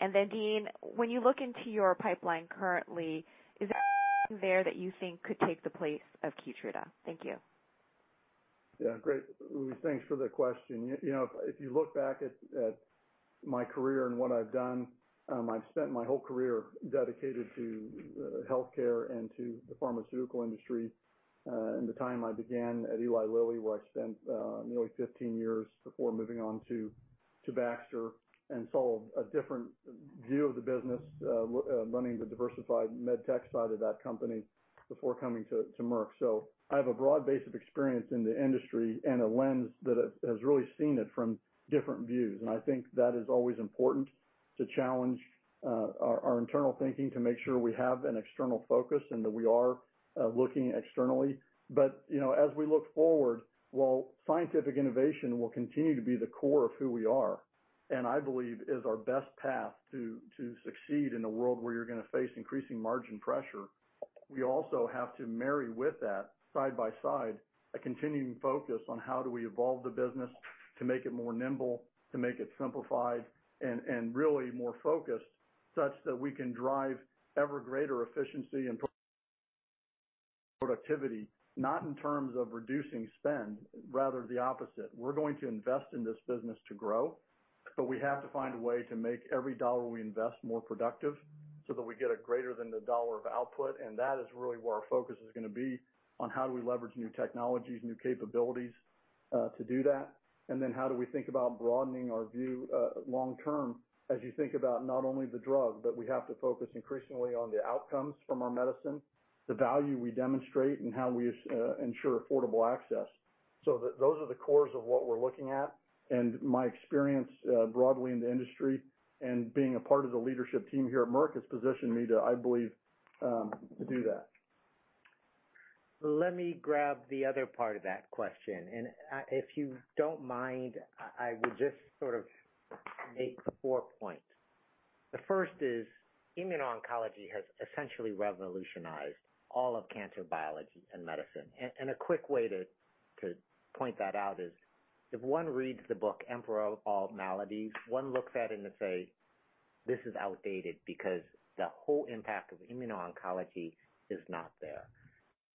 Dean, when you look into your pipeline currently, is there there that you think could take the place of KEYTRUDA? Thank you. Yeah. Great, Louise. Thanks for the question. If you look back at my career and what I've done, I've spent my whole career dedicated to healthcare and to the pharmaceutical industry. In the time I began at Eli Lilly, where I spent nearly 15 years before moving on to Baxter and saw a different view of the business, running the diversified med tech side of that company before coming to Merck. I have a broad base of experience in the industry and a lens that has really seen it from different views, and I think that is always important to challenge our internal thinking to make sure we have an external focus and that we are looking externally. As we look forward, while scientific innovation will continue to be the core of who we are, and I believe is our best path to succeed in a world where you're going to face increasing margin pressure, we also have to marry with that, side by side, a continuing focus on how do we evolve the business to make it more nimble, to make it simplified and really more focused, such that we can drive ever greater efficiency and productivity, not in terms of reducing spend, rather the opposite. We're going to invest in this business to grow, but we have to find a way to make every dollar we invest more productive so that we get a greater than the dollar of output. That is really where our focus is going to be on how do we leverage new technologies, new capabilities, to do that, then how do we think about broadening our view long-term, as you think about not only the drug, but we have to focus increasingly on the outcomes from our medicine, the value we demonstrate, and how we ensure affordable access. Those are the cores of what we're looking at. My experience broadly in the industry and being a part of the leadership team here at Merck has positioned me to, I believe, do that. Let me grab the other part of that question, and if you don't mind, I would just sort of make four points. The first is, immuno-oncology has essentially revolutionized all of cancer biology and medicine. A quick way to point that out is if one reads the book, "The Emperor of All Maladies," one looks at it and says, "This is outdated," because the whole impact of immuno-oncology is not there.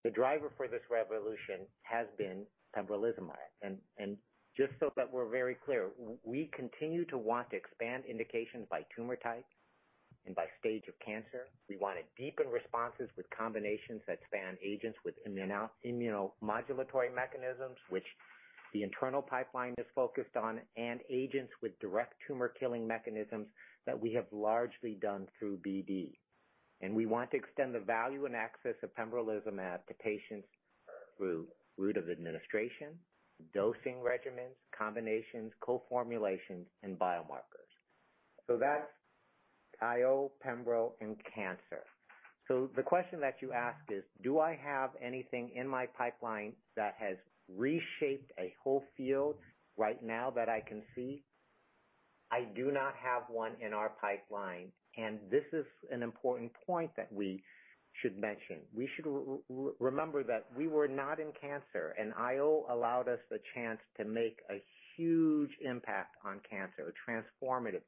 The driver for this revolution has been pembrolizumab, and just so that we're very clear, we continue to want to expand indications by tumor type and by stage of cancer. We want to deepen responses with combinations that span agents with immunomodulatory mechanisms, which the internal pipeline is focused on, and agents with direct tumor killing mechanisms that we have largely done through BD. We want to extend the value and access of pembrolizumab to patients through route of administration, dosing regimens, combinations, co-formulations, and biomarkers. That's IO, pembro, and cancer. The question that you ask is, do I have anything in my pipeline that has reshaped a whole field right now that I can see? I do not have one in our pipeline, and this is an important point that we should mention. We should remember that we were not in cancer, and IO allowed us the chance to make a huge impact on cancer, a transformative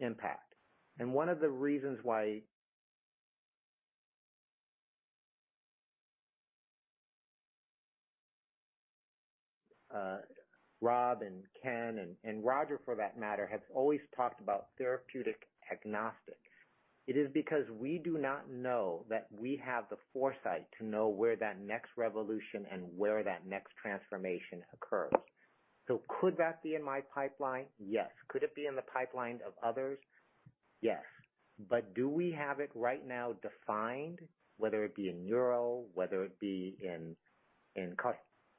impact. Rob and Ken, and Roger for that matter, have always talked about therapeutic agnostics. It is because we do not know that we have the foresight to know where that next revolution and where that next transformation occurs. Could that be in my pipeline? Yes. Could it be in the pipeline of others? Yes. Do we have it right now defined, whether it be in neuro, whether it be in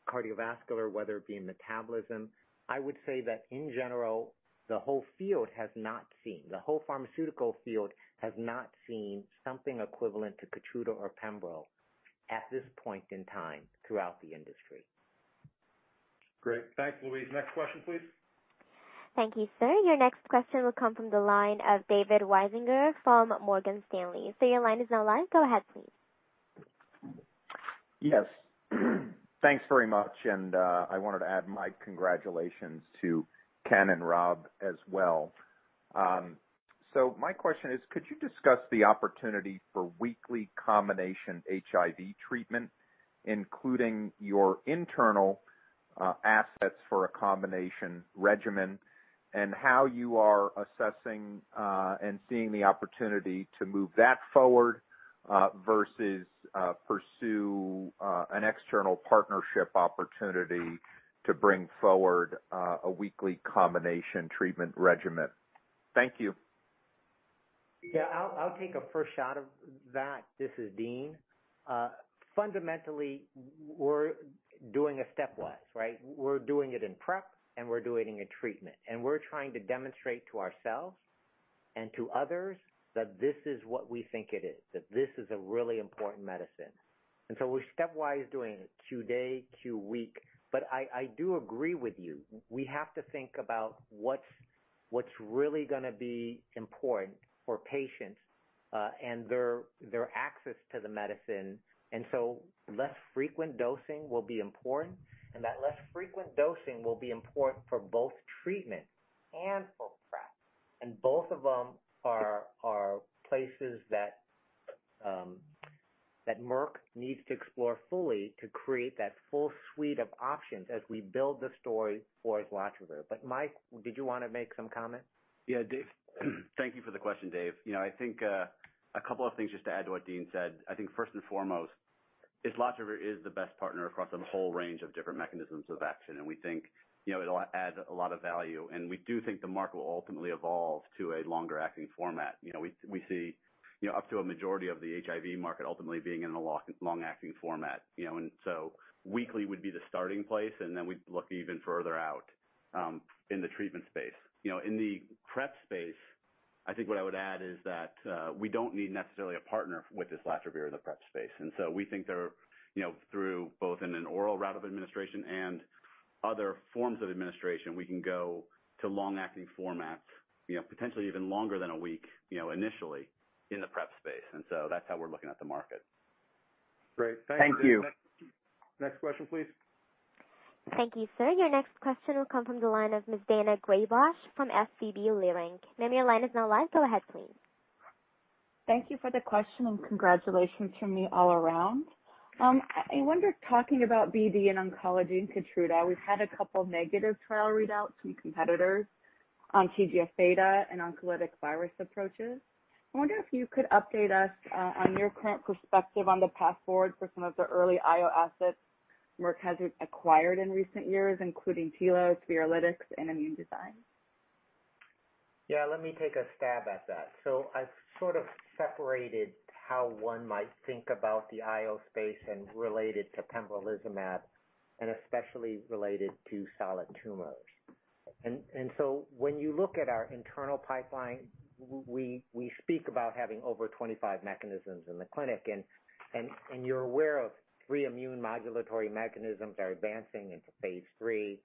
cardiovascular, whether it be in metabolism? I would say that in general, the whole field has not seen, the whole pharmaceutical field has not seen something equivalent to KEYTRUDA or pembro at this point in time throughout the industry. Great. Thanks, Louise. Next question, please. Thank you, sir. Your next question will come from the line of David Risinger from Morgan Stanley. Sir, your line is now live. Go ahead, please. Yes. Thanks very much. I wanted to add my congratulations to Ken and Rob as well. My question is, could you discuss the opportunity for weekly combination HIV treatment, including your internal assets for a combination regimen, and how you are assessing and seeing the opportunity to move that forward, versus pursue an external partnership opportunity to bring forward a weekly combination treatment regimen? Thank you. Yeah, I'll take a first shot of that. This is Dean. Fundamentally, we're doing a stepwise, right? We're doing it in PrEP, we're doing it in treatment. We're trying to demonstrate to ourselves and to others that this is what we think it is, that this is a really important medicine. We're stepwise doing it Q day, Q week. I do agree with you. We have to think about what's really going to be important for patients and their access to the medicine, less frequent dosing will be important, and that less frequent dosing will be important for both treatment and for PrEP. Both of them are places that Merck needs to explore fully to create that full suite of options as we build the story for islatravir. Mike, did you want to make some comment? Yeah, Dave. Thank you for the question, Dave. I think a couple of things just to add to what Dean said. I think first and foremost, islatravir is the best partner across a whole range of different mechanisms of action, and we think it'll add a lot of value, and we do think the market will ultimately evolve to a longer-acting format. We see up to a majority of the HIV market ultimately being in a long-acting format. Weekly would be the starting place, and then we'd look even further out in the treatment space. In the PrEP space, I think what I would add is that we don't need necessarily a partner with islatravir in the PrEP space. We think through both in an oral route of administration and other forms of administration, we can go to long-acting formats, potentially even longer than a week, initially in the PrEP space. That's how we're looking at the market. Great. Thank you. Next question, please. Thank you, sir. Your next question will come from the line of Ms. Daina Graybosch from SVB Leerink. Ma'am, your line is now live. Go ahead, please. Thank you for the question and congratulations from me all around. I wonder, talking about BD and oncology and KEYTRUDA, we've had a couple negative trial readouts from competitors on TGF-beta and on oncolytic virus approaches. I wonder if you could update us on your current perspective on the path forward for some of the early IO assets Merck has acquired in recent years, including Tilos, Spherlytics, and Immune Design. Yeah, let me take a stab at that. I've sort of separated how one might think about the IO space and relate it to pembrolizumab, and especially relate it to solid tumors. When you look at our internal pipeline, we speak about having over 25 mechanisms in the clinic, and you're aware of three immune modulatory mechanisms that are advancing into phase III.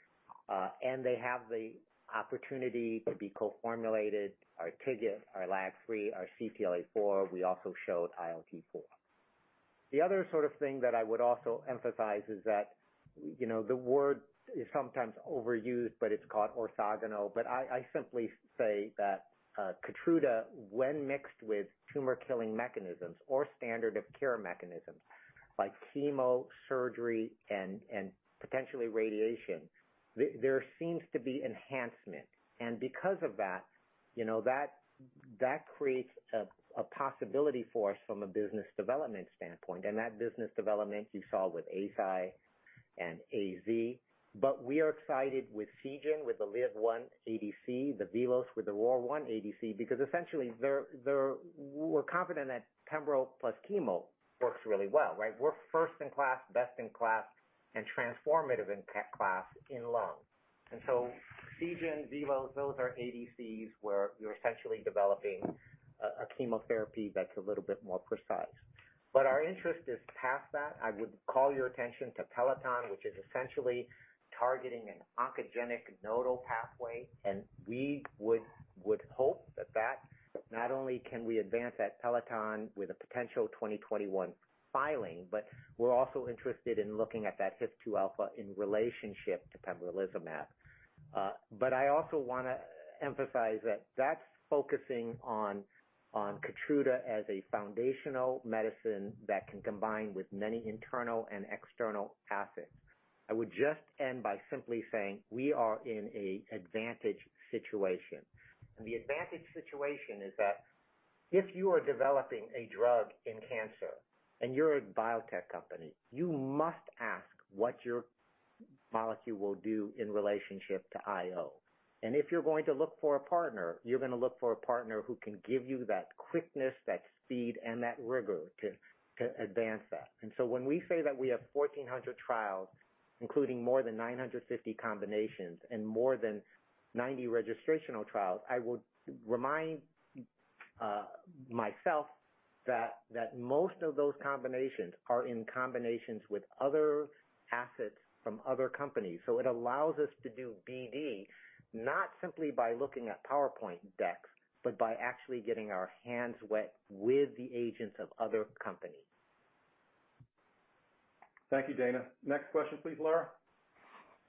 They have the opportunity to be co-formulated, our TIGIT, our LAG-3, our CTLA4. We also showed ILT4. The other sort of thing that I would also emphasize is that the word is sometimes overused, but it's called orthogonal. I simply say that KEYTRUDA, when mixed with tumor-killing mechanisms or standard of care mechanisms like chemo, surgery, and potentially radiation, there seems to be enhancement. Because of that creates a possibility for us from a business development standpoint, that business development you saw with Eisai and AstraZeneca, but we are excited with Seagen, with the LIV-1 ADC, VelosBio with the ROR1 ADC, because essentially we're confident that pembro+ chemo works really well, right? We're first in class, best in class, and transformative in class in lung. Seagen, VelosBio, those are ADCs where we're essentially developing a chemotherapy that's a little bit more precise. Our interest is past that. I would call your attention to Peloton, which is essentially targeting an oncogenic nodal pathway, and we would hope that not only can we advance that Peloton with a potential 2021 filing, but we're also interested in looking at that HIF-2 alpha in relationship to pembrolizumab. I also want to emphasize that that's focusing on KEYTRUDA as a foundational medicine that can combine with many internal and external assets. I would just end by simply saying we are in an advantage situation. The advantage situation is that if you are developing a drug in cancer and you're a biotech company, you must ask what your molecule will do in relationship to IO. If you're going to look for a partner, you're going to look for a partner who can give you that quickness, that speed, and that rigor to advance that. When we say that we have 1,400 trials, including more than 950 combinations and more than 90 registrational trials, I would remind myself that most of those combinations are in combinations with other assets from other companies. It allows us to do BD, not simply by looking at PowerPoint decks, but by actually getting our hands wet with the agents of other companies. Thank you, Daina. Next question please, Lara.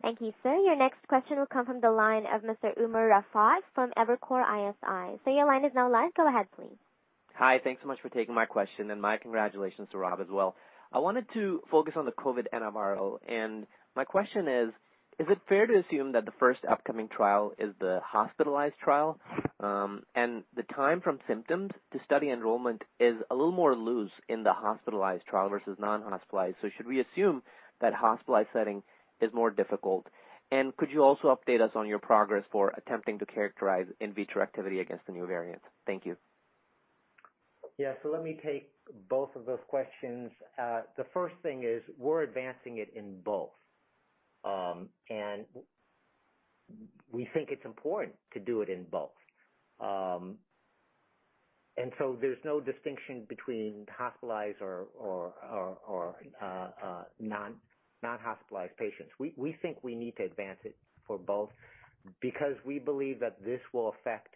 Thank you, sir. Your next question will come from the line of Mr. Umer Raffat from Evercore ISI. Sir, your line is now live. Go ahead, please. Hi, thanks so much for taking my question and my congratulations to Rob as well. I wanted to focus on the COVID nMAb, and my question is it fair to assume that the first upcoming trial is the hospitalized trial? The time from symptoms to study enrollment is a little more loose in the hospitalized trial versus non-hospitalized. Should we assume that hospitalized setting is more difficult? Could you also update us on your progress for attempting to characterize in vitro activity against the new variant? Thank you. Yeah. Let me take both of those questions. The first thing is we're advancing it in both, and we think it's important to do it in both. There's no distinction between hospitalized or non-hospitalized patients. We think we need to advance it for both because we believe that this will affect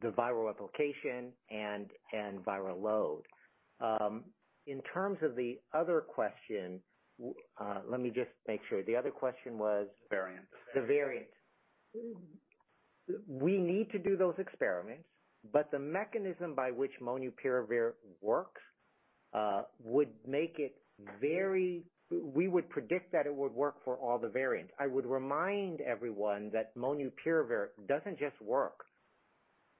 the viral replication and viral load. In terms of the other question, let me just make sure. The other question was. Variant the variant. We need to do those experiments. We would predict that it would work for all the variants. I would remind everyone that molnupiravir doesn't just work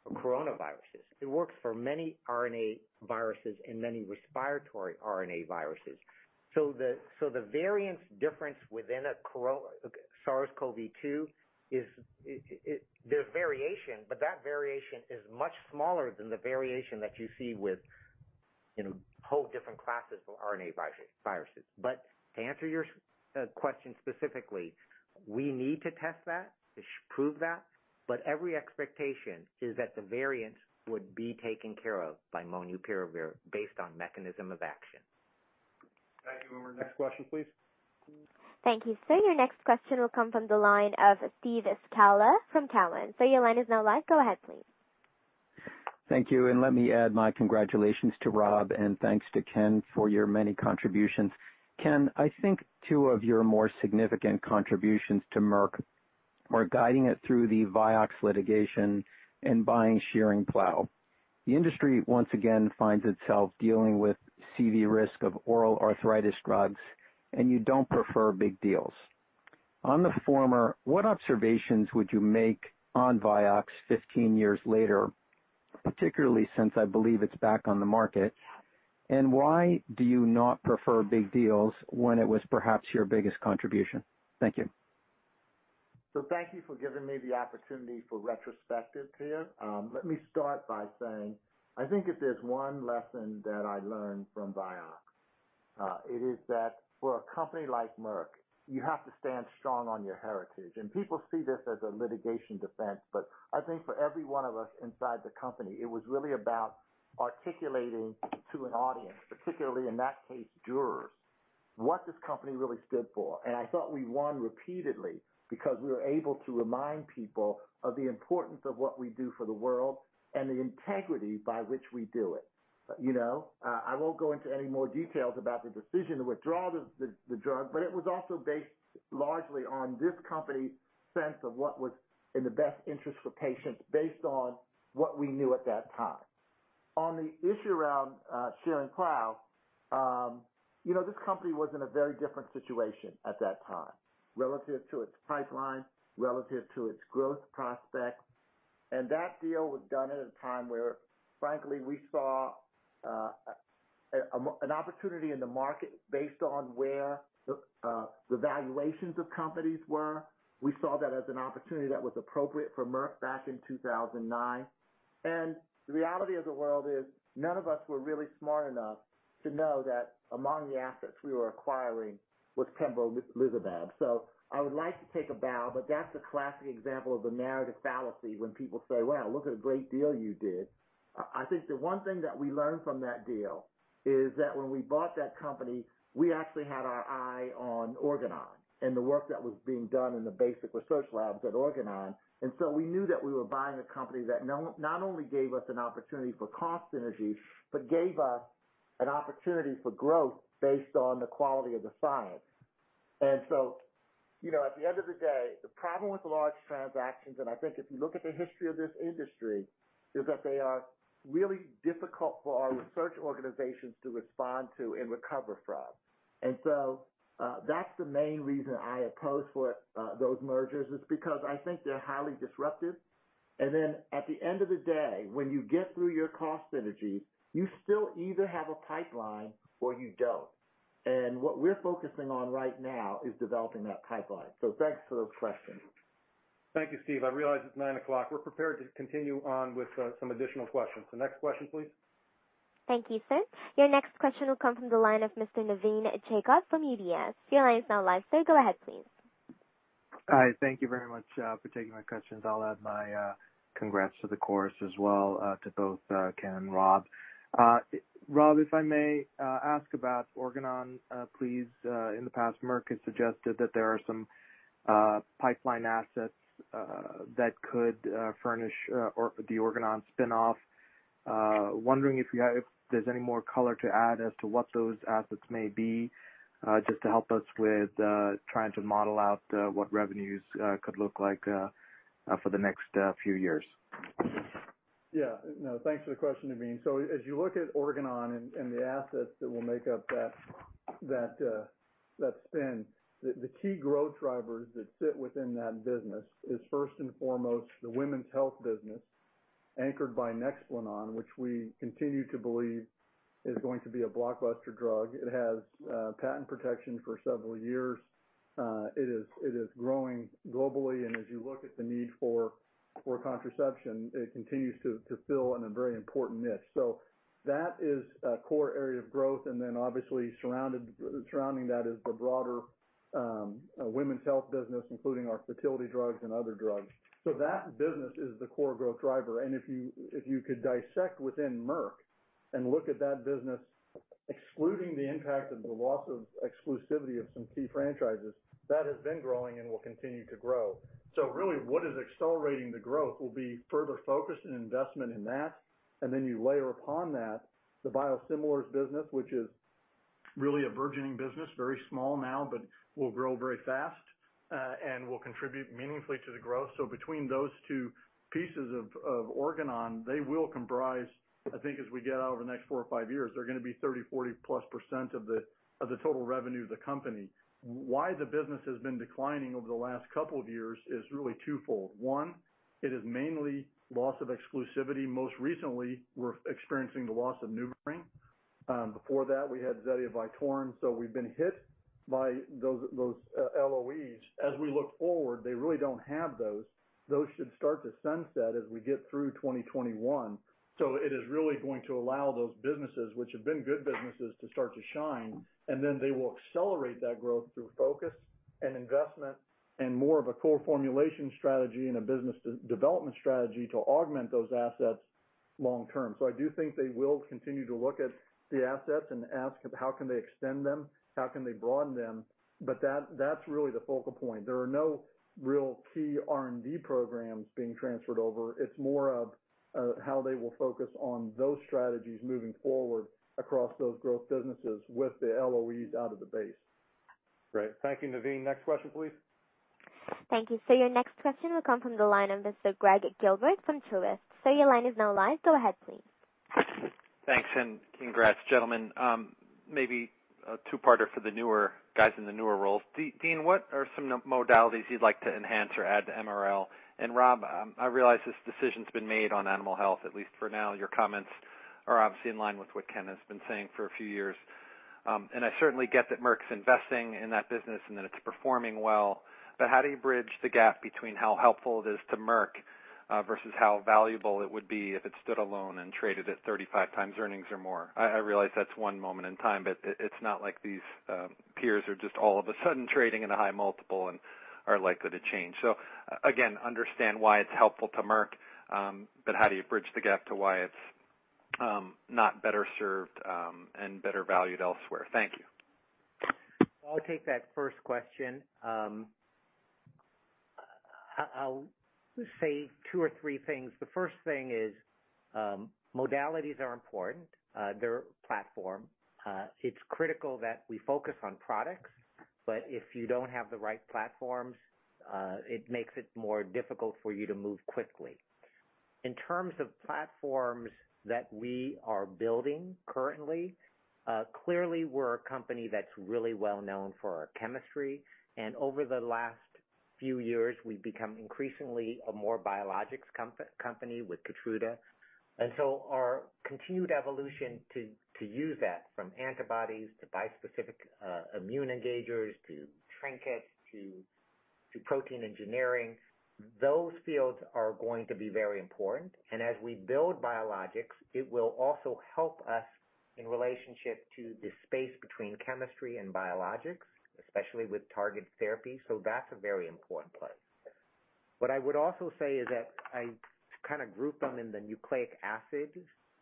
for coronaviruses. It works for many RNA viruses and many respiratory RNA viruses. The variance difference within SARS-CoV-2, there's variation, but that variation is much smaller than the variation that you see with whole different classes of RNA viruses. To answer your question specifically, we need to test that, to prove that, but every expectation is that the variant would be taken care of by molnupiravir based on mechanism of action. Thank you, Umer. Next question, please. Thank you, sir. Your next question will come from the line of Steve Scala from Cowen. Sir, your line is now live. Go ahead, please. Thank you, and let me add my congratulations to Rob and thanks to Ken for your many contributions. Ken, I think two of your more significant contributions to Merck were guiding it through the Vioxx litigation and buying Schering-Plough. The industry once again finds itself dealing with CV risk of oral arthritis drugs, and you don't prefer big deals. On the former, what observations would you make on Vioxx 15 years later, particularly since I believe it's back on the market? Why do you not prefer big deals when it was perhaps your biggest contribution? Thank you. Thank you for giving me the opportunity for retrospective here. Let me start by saying, I think if there's one lesson that I learned from Vioxx, it is that for a company like Merck, you have to stand strong on your heritage. People see this as a litigation defense, but I think for every one of us inside the company, it was really about articulating to an audience, particularly in that case, jurors, what this company really stood for. I thought we won repeatedly because we were able to remind people of the importance of what we do for the world and the integrity by which we do it. I won't go into any more details about the decision to withdraw the drug, but it was also based largely on this company's sense of what was in the best interest for patients based on what we knew at that time. On the issue around Schering-Plough, this company was in a very different situation at that time relative to its pipeline, relative to its growth prospects. That deal was done at a time where, frankly, we saw an opportunity in the market based on where the valuations of companies were. We saw that as an opportunity that was appropriate for Merck back in 2009. The reality of the world is none of us were really smart enough to know that among the assets we were acquiring was pembrolizumab. I would like to take a bow, but that's a classic example of the narrative fallacy when people say, "Wow, look at a great deal you did." I think the one thing that we learned from that deal is that when we bought that company, we actually had our eye on Organon and the work that was being done in the basic research labs at Organon. We knew that we were buying a company that not only gave us an opportunity for cost synergy, but gave us an opportunity for growth based on the quality of the science. At the end of the day, the problem with large transactions, and I think if you look at the history of this industry, is that they are really difficult for our research organizations to respond to and recover from. That's the main reason I oppose those mergers, is because I think they're highly disruptive. At the end of the day, when you get through your cost synergy, you still either have a pipeline or you don't. What we're focusing on right now is developing that pipeline. Thanks for the question. Thank you, Steve. I realize it's nine o'clock. We're prepared to continue on with some additional questions. The next question, please. Thank you, sir. Your next question will come from the line of Mr. Navin Jacob from UBS. Your line is now live, sir. Go ahead, please. Hi, thank you very much for taking my questions. I'll add my congrats to the course as well, to both Ken and Rob. Rob, if I may ask about Organon, please. In the past, Merck has suggested that there are some pipeline assets that could furnish the Organon spinoff. Wondering if there's any more color to add as to what those assets may be, just to help us with trying to model out what revenues could look like for the next few years. No, thanks for the question, Navin. As you look at Organon and the assets that will make up that spin, the key growth drivers that sit within that business is first and foremost the women's health business, anchored by NEXPLANON, which we continue to believe is going to be a blockbuster drug. It has patent protection for several years. It is growing globally, and as you look at the need for contraception, it continues to fill in a very important niche. That is a core area of growth, and then obviously surrounding that is the broader women's health business, including our fertility drugs and other drugs. That business is the core growth driver. If you could dissect within Merck and look at that business, excluding the impact of the loss of exclusivity of some key franchises, that has been growing and will continue to grow. Really what is accelerating the growth will be further focus and investment in that, and then you layer upon that the biosimilars business, which is really a burgeoning business, very small now, but will grow very fast, and will contribute meaningfully to the growth. Between those two pieces of Organon, they will comprise, I think as we get out over the next four or five years, they're going to be 30%, 40%+ of the total revenue of the company. Why the business has been declining over the last couple of years is really twofold. One, it is mainly loss of exclusivity. Most recently, we're experiencing the loss of NuvaRing. Before that, we had Zetia Vytorin, so we've been hit by those LOEs. As we look forward, they really don't have those. Those should start to sunset as we get through 2021. It is really going to allow those businesses, which have been good businesses, to start to shine, and then they will accelerate that growth through focus and investment and more of a co- formulation strategy and a business development strategy to augment those assets long term. I do think they will continue to look at the assets and ask how can they extend them, how can they broaden them, but that's really the focal point. There are no real key R&D programs being transferred over. It's more of how they will focus on those strategies moving forward across those growth businesses with the LOEs out of the base. Great. Thank you, Navin. Next question, please. Thank you, sir. Your next question will come from the line of Mr. Gregg Gilbert from Truist. Sir, your line is now live. Go ahead, please. Thanks, and congrats, gentlemen. Maybe a two-parter for the newer guys in the newer roles. Dean, what are some modalities you'd like to enhance or add to MRL? Rob, I realize this decision's been made on Animal Health, at least for now. Your comments are obviously in line with what Ken has been saying for a few years. I certainly get that Merck's investing in that business and that it's performing well, but how do you bridge the gap between how helpful it is to Merck, versus how valuable it would be if it stood alone and traded at 35x earnings or more? I realize that's one moment in time, but it's not like these peers are just all of a sudden trading at a high multiple and are likely to change. Again, understand why it's helpful to Merck, but how do you bridge the gap to why it's not better served and better valued elsewhere? Thank you. I'll take that first question. I'll say two or three things. The first thing is, modalities are important. They're a platform. It's critical that we focus on products, but if you don't have the right platforms, it makes it more difficult for you to move quickly. In terms of platforms that we are building currently, clearly, we're a company that's really well known for our chemistry. Over the last few years, we've become increasingly a more biologics company with KEYTRUDA. Our continued evolution to use that, from antibodies to bispecific immune engagers to TriNKETs to protein engineering, those fields are going to be very important. As we build biologics, it will also help us in relationship to the space between chemistry and biologics, especially with targeted therapy. That's a very important place. Group them in the nucleic acids,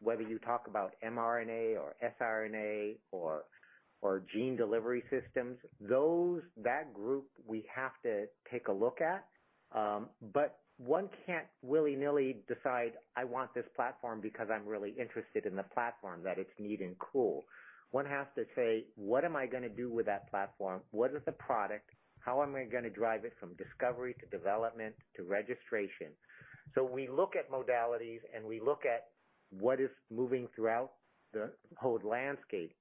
whether you talk about mRNA or siRNA or gene delivery systems, that group we have to take a look at. One can't willy-nilly decide, "I want this platform because I'm really interested in the platform, that it's neat and cool." One has to say, "What am I going to do with that platform? What is the product? How am I going to drive it from discovery to development to registration?" We look at modalities, and we look at what is moving throughout the whole landscape,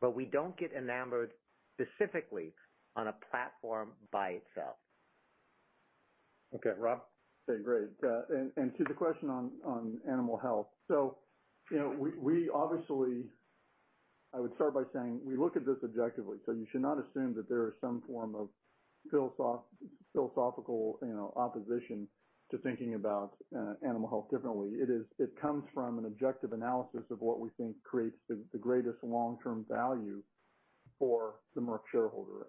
but we don't get enamored specifically on a platform by itself. Okay, Rob? Okay, great. To the question on animal health. We obviously, I would start by saying we look at this objectively, so you should not assume that there is some form of philosophical opposition to thinking about animal health differently. It comes from an objective analysis of what we think creates the greatest long-term value for the Merck shareholder.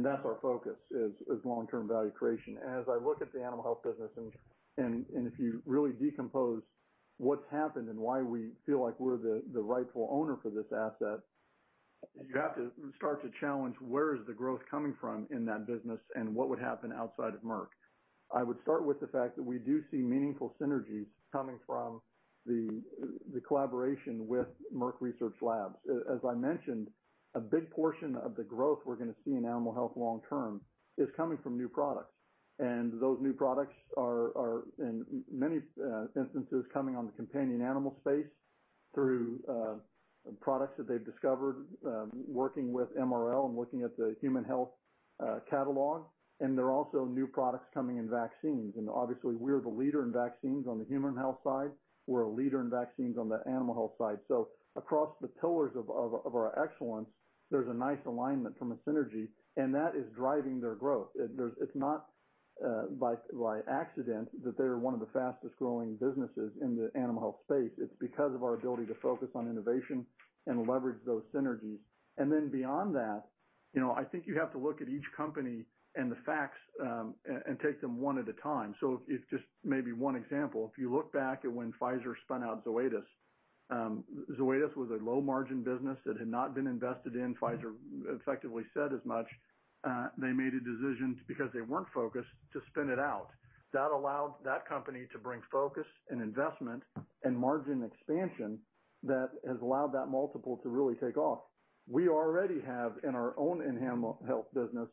That's our focus, is long-term value creation. As I look at the animal health business, and if you really decompose what's happened and why we feel like we're the rightful owner for this asset, you have to start to challenge where is the growth coming from in that business and what would happen outside of Merck? I would start with the fact that we do see meaningful synergies coming from the collaboration with Merck Research Labs. As I mentioned, a big portion of the growth we're going to see in animal health long-term is coming from new products. Those new products are, in many instances, coming on the companion animal space through products that they've discovered working with MRL and looking at the human health catalog. There are also new products coming in vaccines, and obviously we're the leader in vaccines on the human health side. We're a leader in vaccines on the animal health side. Across the pillars of our excellence, there's a nice alignment from a synergy, and that is driving their growth. It's not by accident that they're one of the fastest-growing businesses in the animal health space. It's because of our ability to focus on innovation and leverage those synergies. Beyond that, I think you have to look at each company and the facts, and take them one at a time. Just maybe one example, if you look back at when Pfizer spun out Zoetis was a low-margin business that had not been invested in. Pfizer effectively said as much. They made a decision, because they weren't focused, to spin it out. That allowed that company to bring focus and investment and margin expansion that has allowed that multiple to really take off. We already have, in our own animal health business,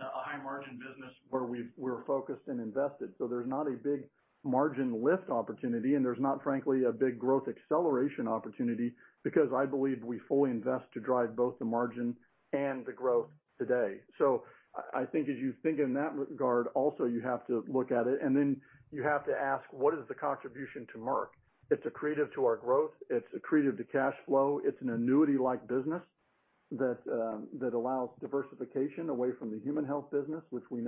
a high-margin business where we're focused and invested. There's not a big margin lift opportunity, and there's not, frankly, a big growth acceleration opportunity because I believe we fully invest to drive both the margin and the growth today. I think as you think in that regard, also, you have to look at it, and then you have to ask, "What is the contribution to Merck?" It's accretive to our growth. It's accretive to cash flow. It's an annuity-like business that allows diversification away from the human health business, which we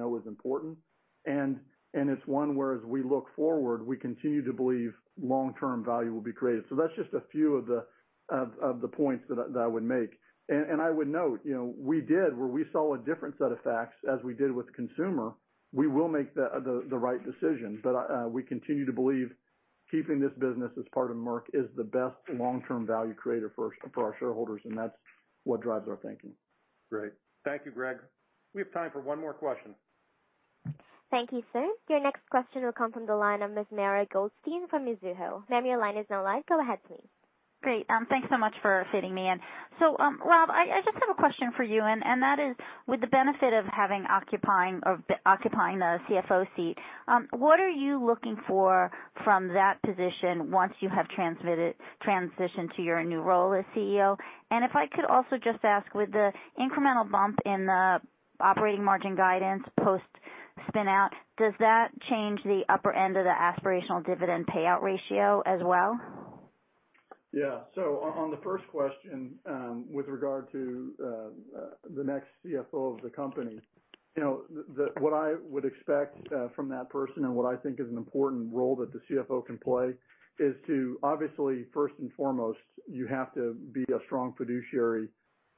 know is important. It's one where, as we look forward, we continue to believe long-term value will be created. That's just a few of the points that I would make. I would note, we did, where we saw a different set of facts as we did with consumer, we will make the right decision. We continue to believe keeping this business as part of Merck is the best long-term value creator for our shareholders, and that's what drives our thinking. Great. Thank you, Gregg. We have time for one more question. Thank you, sir. Your next question will come from the line of Ms. Mara Goldstein from Mizuho. Ma'am, your line is now live. Go ahead please. Great. Thanks so much for fitting me in. Rob, I just have a question for you, and that is, with the benefit of having occupying the CFO seat, what are you looking for from that position once you have transitioned to your new role as CEO? If I could also just ask, with the incremental bump in the operating margin guidance post spin-out, does that change the upper end of the aspirational dividend payout ratio as well? On the first question, with regard to the next CFO of the company, what I would expect from that person and what I think is an important role that the CFO can play is to obviously, first and foremost, you have to be a strong fiduciary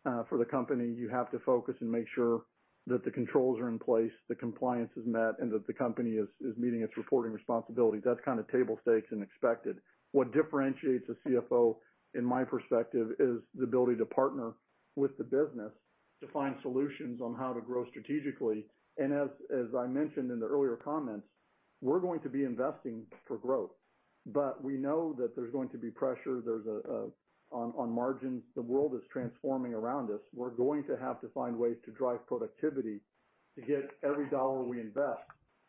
for the company. You have to focus and make sure that the controls are in place, that compliance is met, and that the company is meeting its reporting responsibility. That's kind of table stakes and expected. What differentiates a CFO, in my perspective, is the ability to partner with the business to find solutions on how to grow strategically. As I mentioned in the earlier comments, we're going to be investing for growth. We know that there's going to be pressure on margins. The world is transforming around us. We're going to have to find ways to drive productivity to get every dollar we invest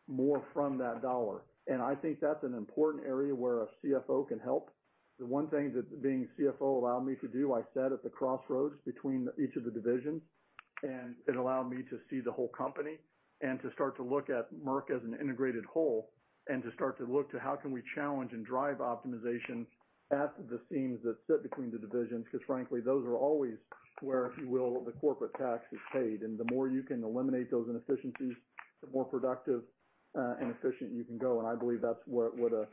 more from that dollar. I think that's an important area where a CFO can help. The one thing that being CFO allowed me to do, I sat at the crossroads between each of the divisions, and it allowed me to see the whole company and to start to look at Merck as an integrated whole, and to start to look to how can we challenge and drive optimization at the seams that sit between the divisions, because frankly, those are always where, if you will, the corporate tax is paid. The more you can eliminate those inefficiencies, the more productive and efficient you can go, and I believe that's what a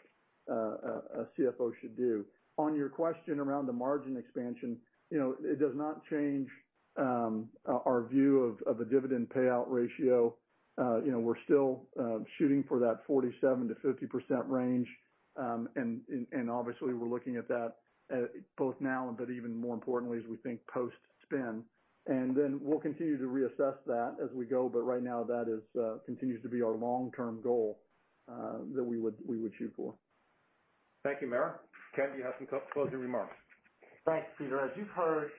CFO should do. On your question around the margin expansion, it does not change our view of a dividend payout ratio. We're still shooting for that 47%-50% range. Obviously, we're looking at that both now, but even more importantly as we think post-spin. Then we'll continue to reassess that as we go, but right now, that continues to be our long-term goal that we would shoot for. Thank you, Mara. Ken, do you have some closing remarks? Thanks, Peter. As you've heard,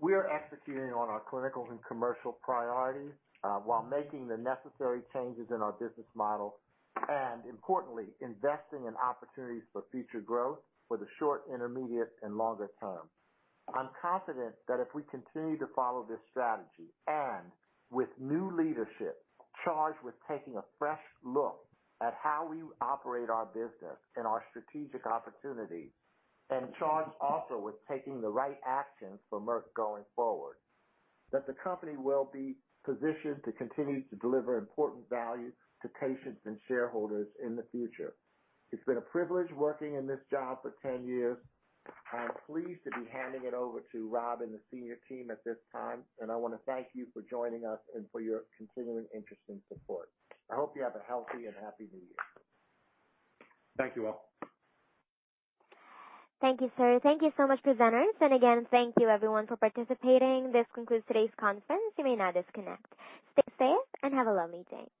we are executing on our clinical and commercial priorities while making the necessary changes in our business model and importantly, investing in opportunities for future growth for the short, intermediate, and longer term. I'm confident that if we continue to follow this strategy, and with new leadership charged with taking a fresh look at how we operate our business and our strategic opportunities, and charged also with taking the right actions for Merck going forward, that the company will be positioned to continue to deliver important value to patients and shareholders in the future. It's been a privilege working in this job for 10 years. I'm pleased to be handing it over to Rob and the senior team at this time, and I want to thank you for joining us and for your continuing interest and support. I hope you have a healthy and happy new year. Thank you all. Thank you, sir. Thank you so much, presenters. Again, thank you everyone for participating. This concludes today's conference. You may now disconnect. Stay safe and have a lovely day.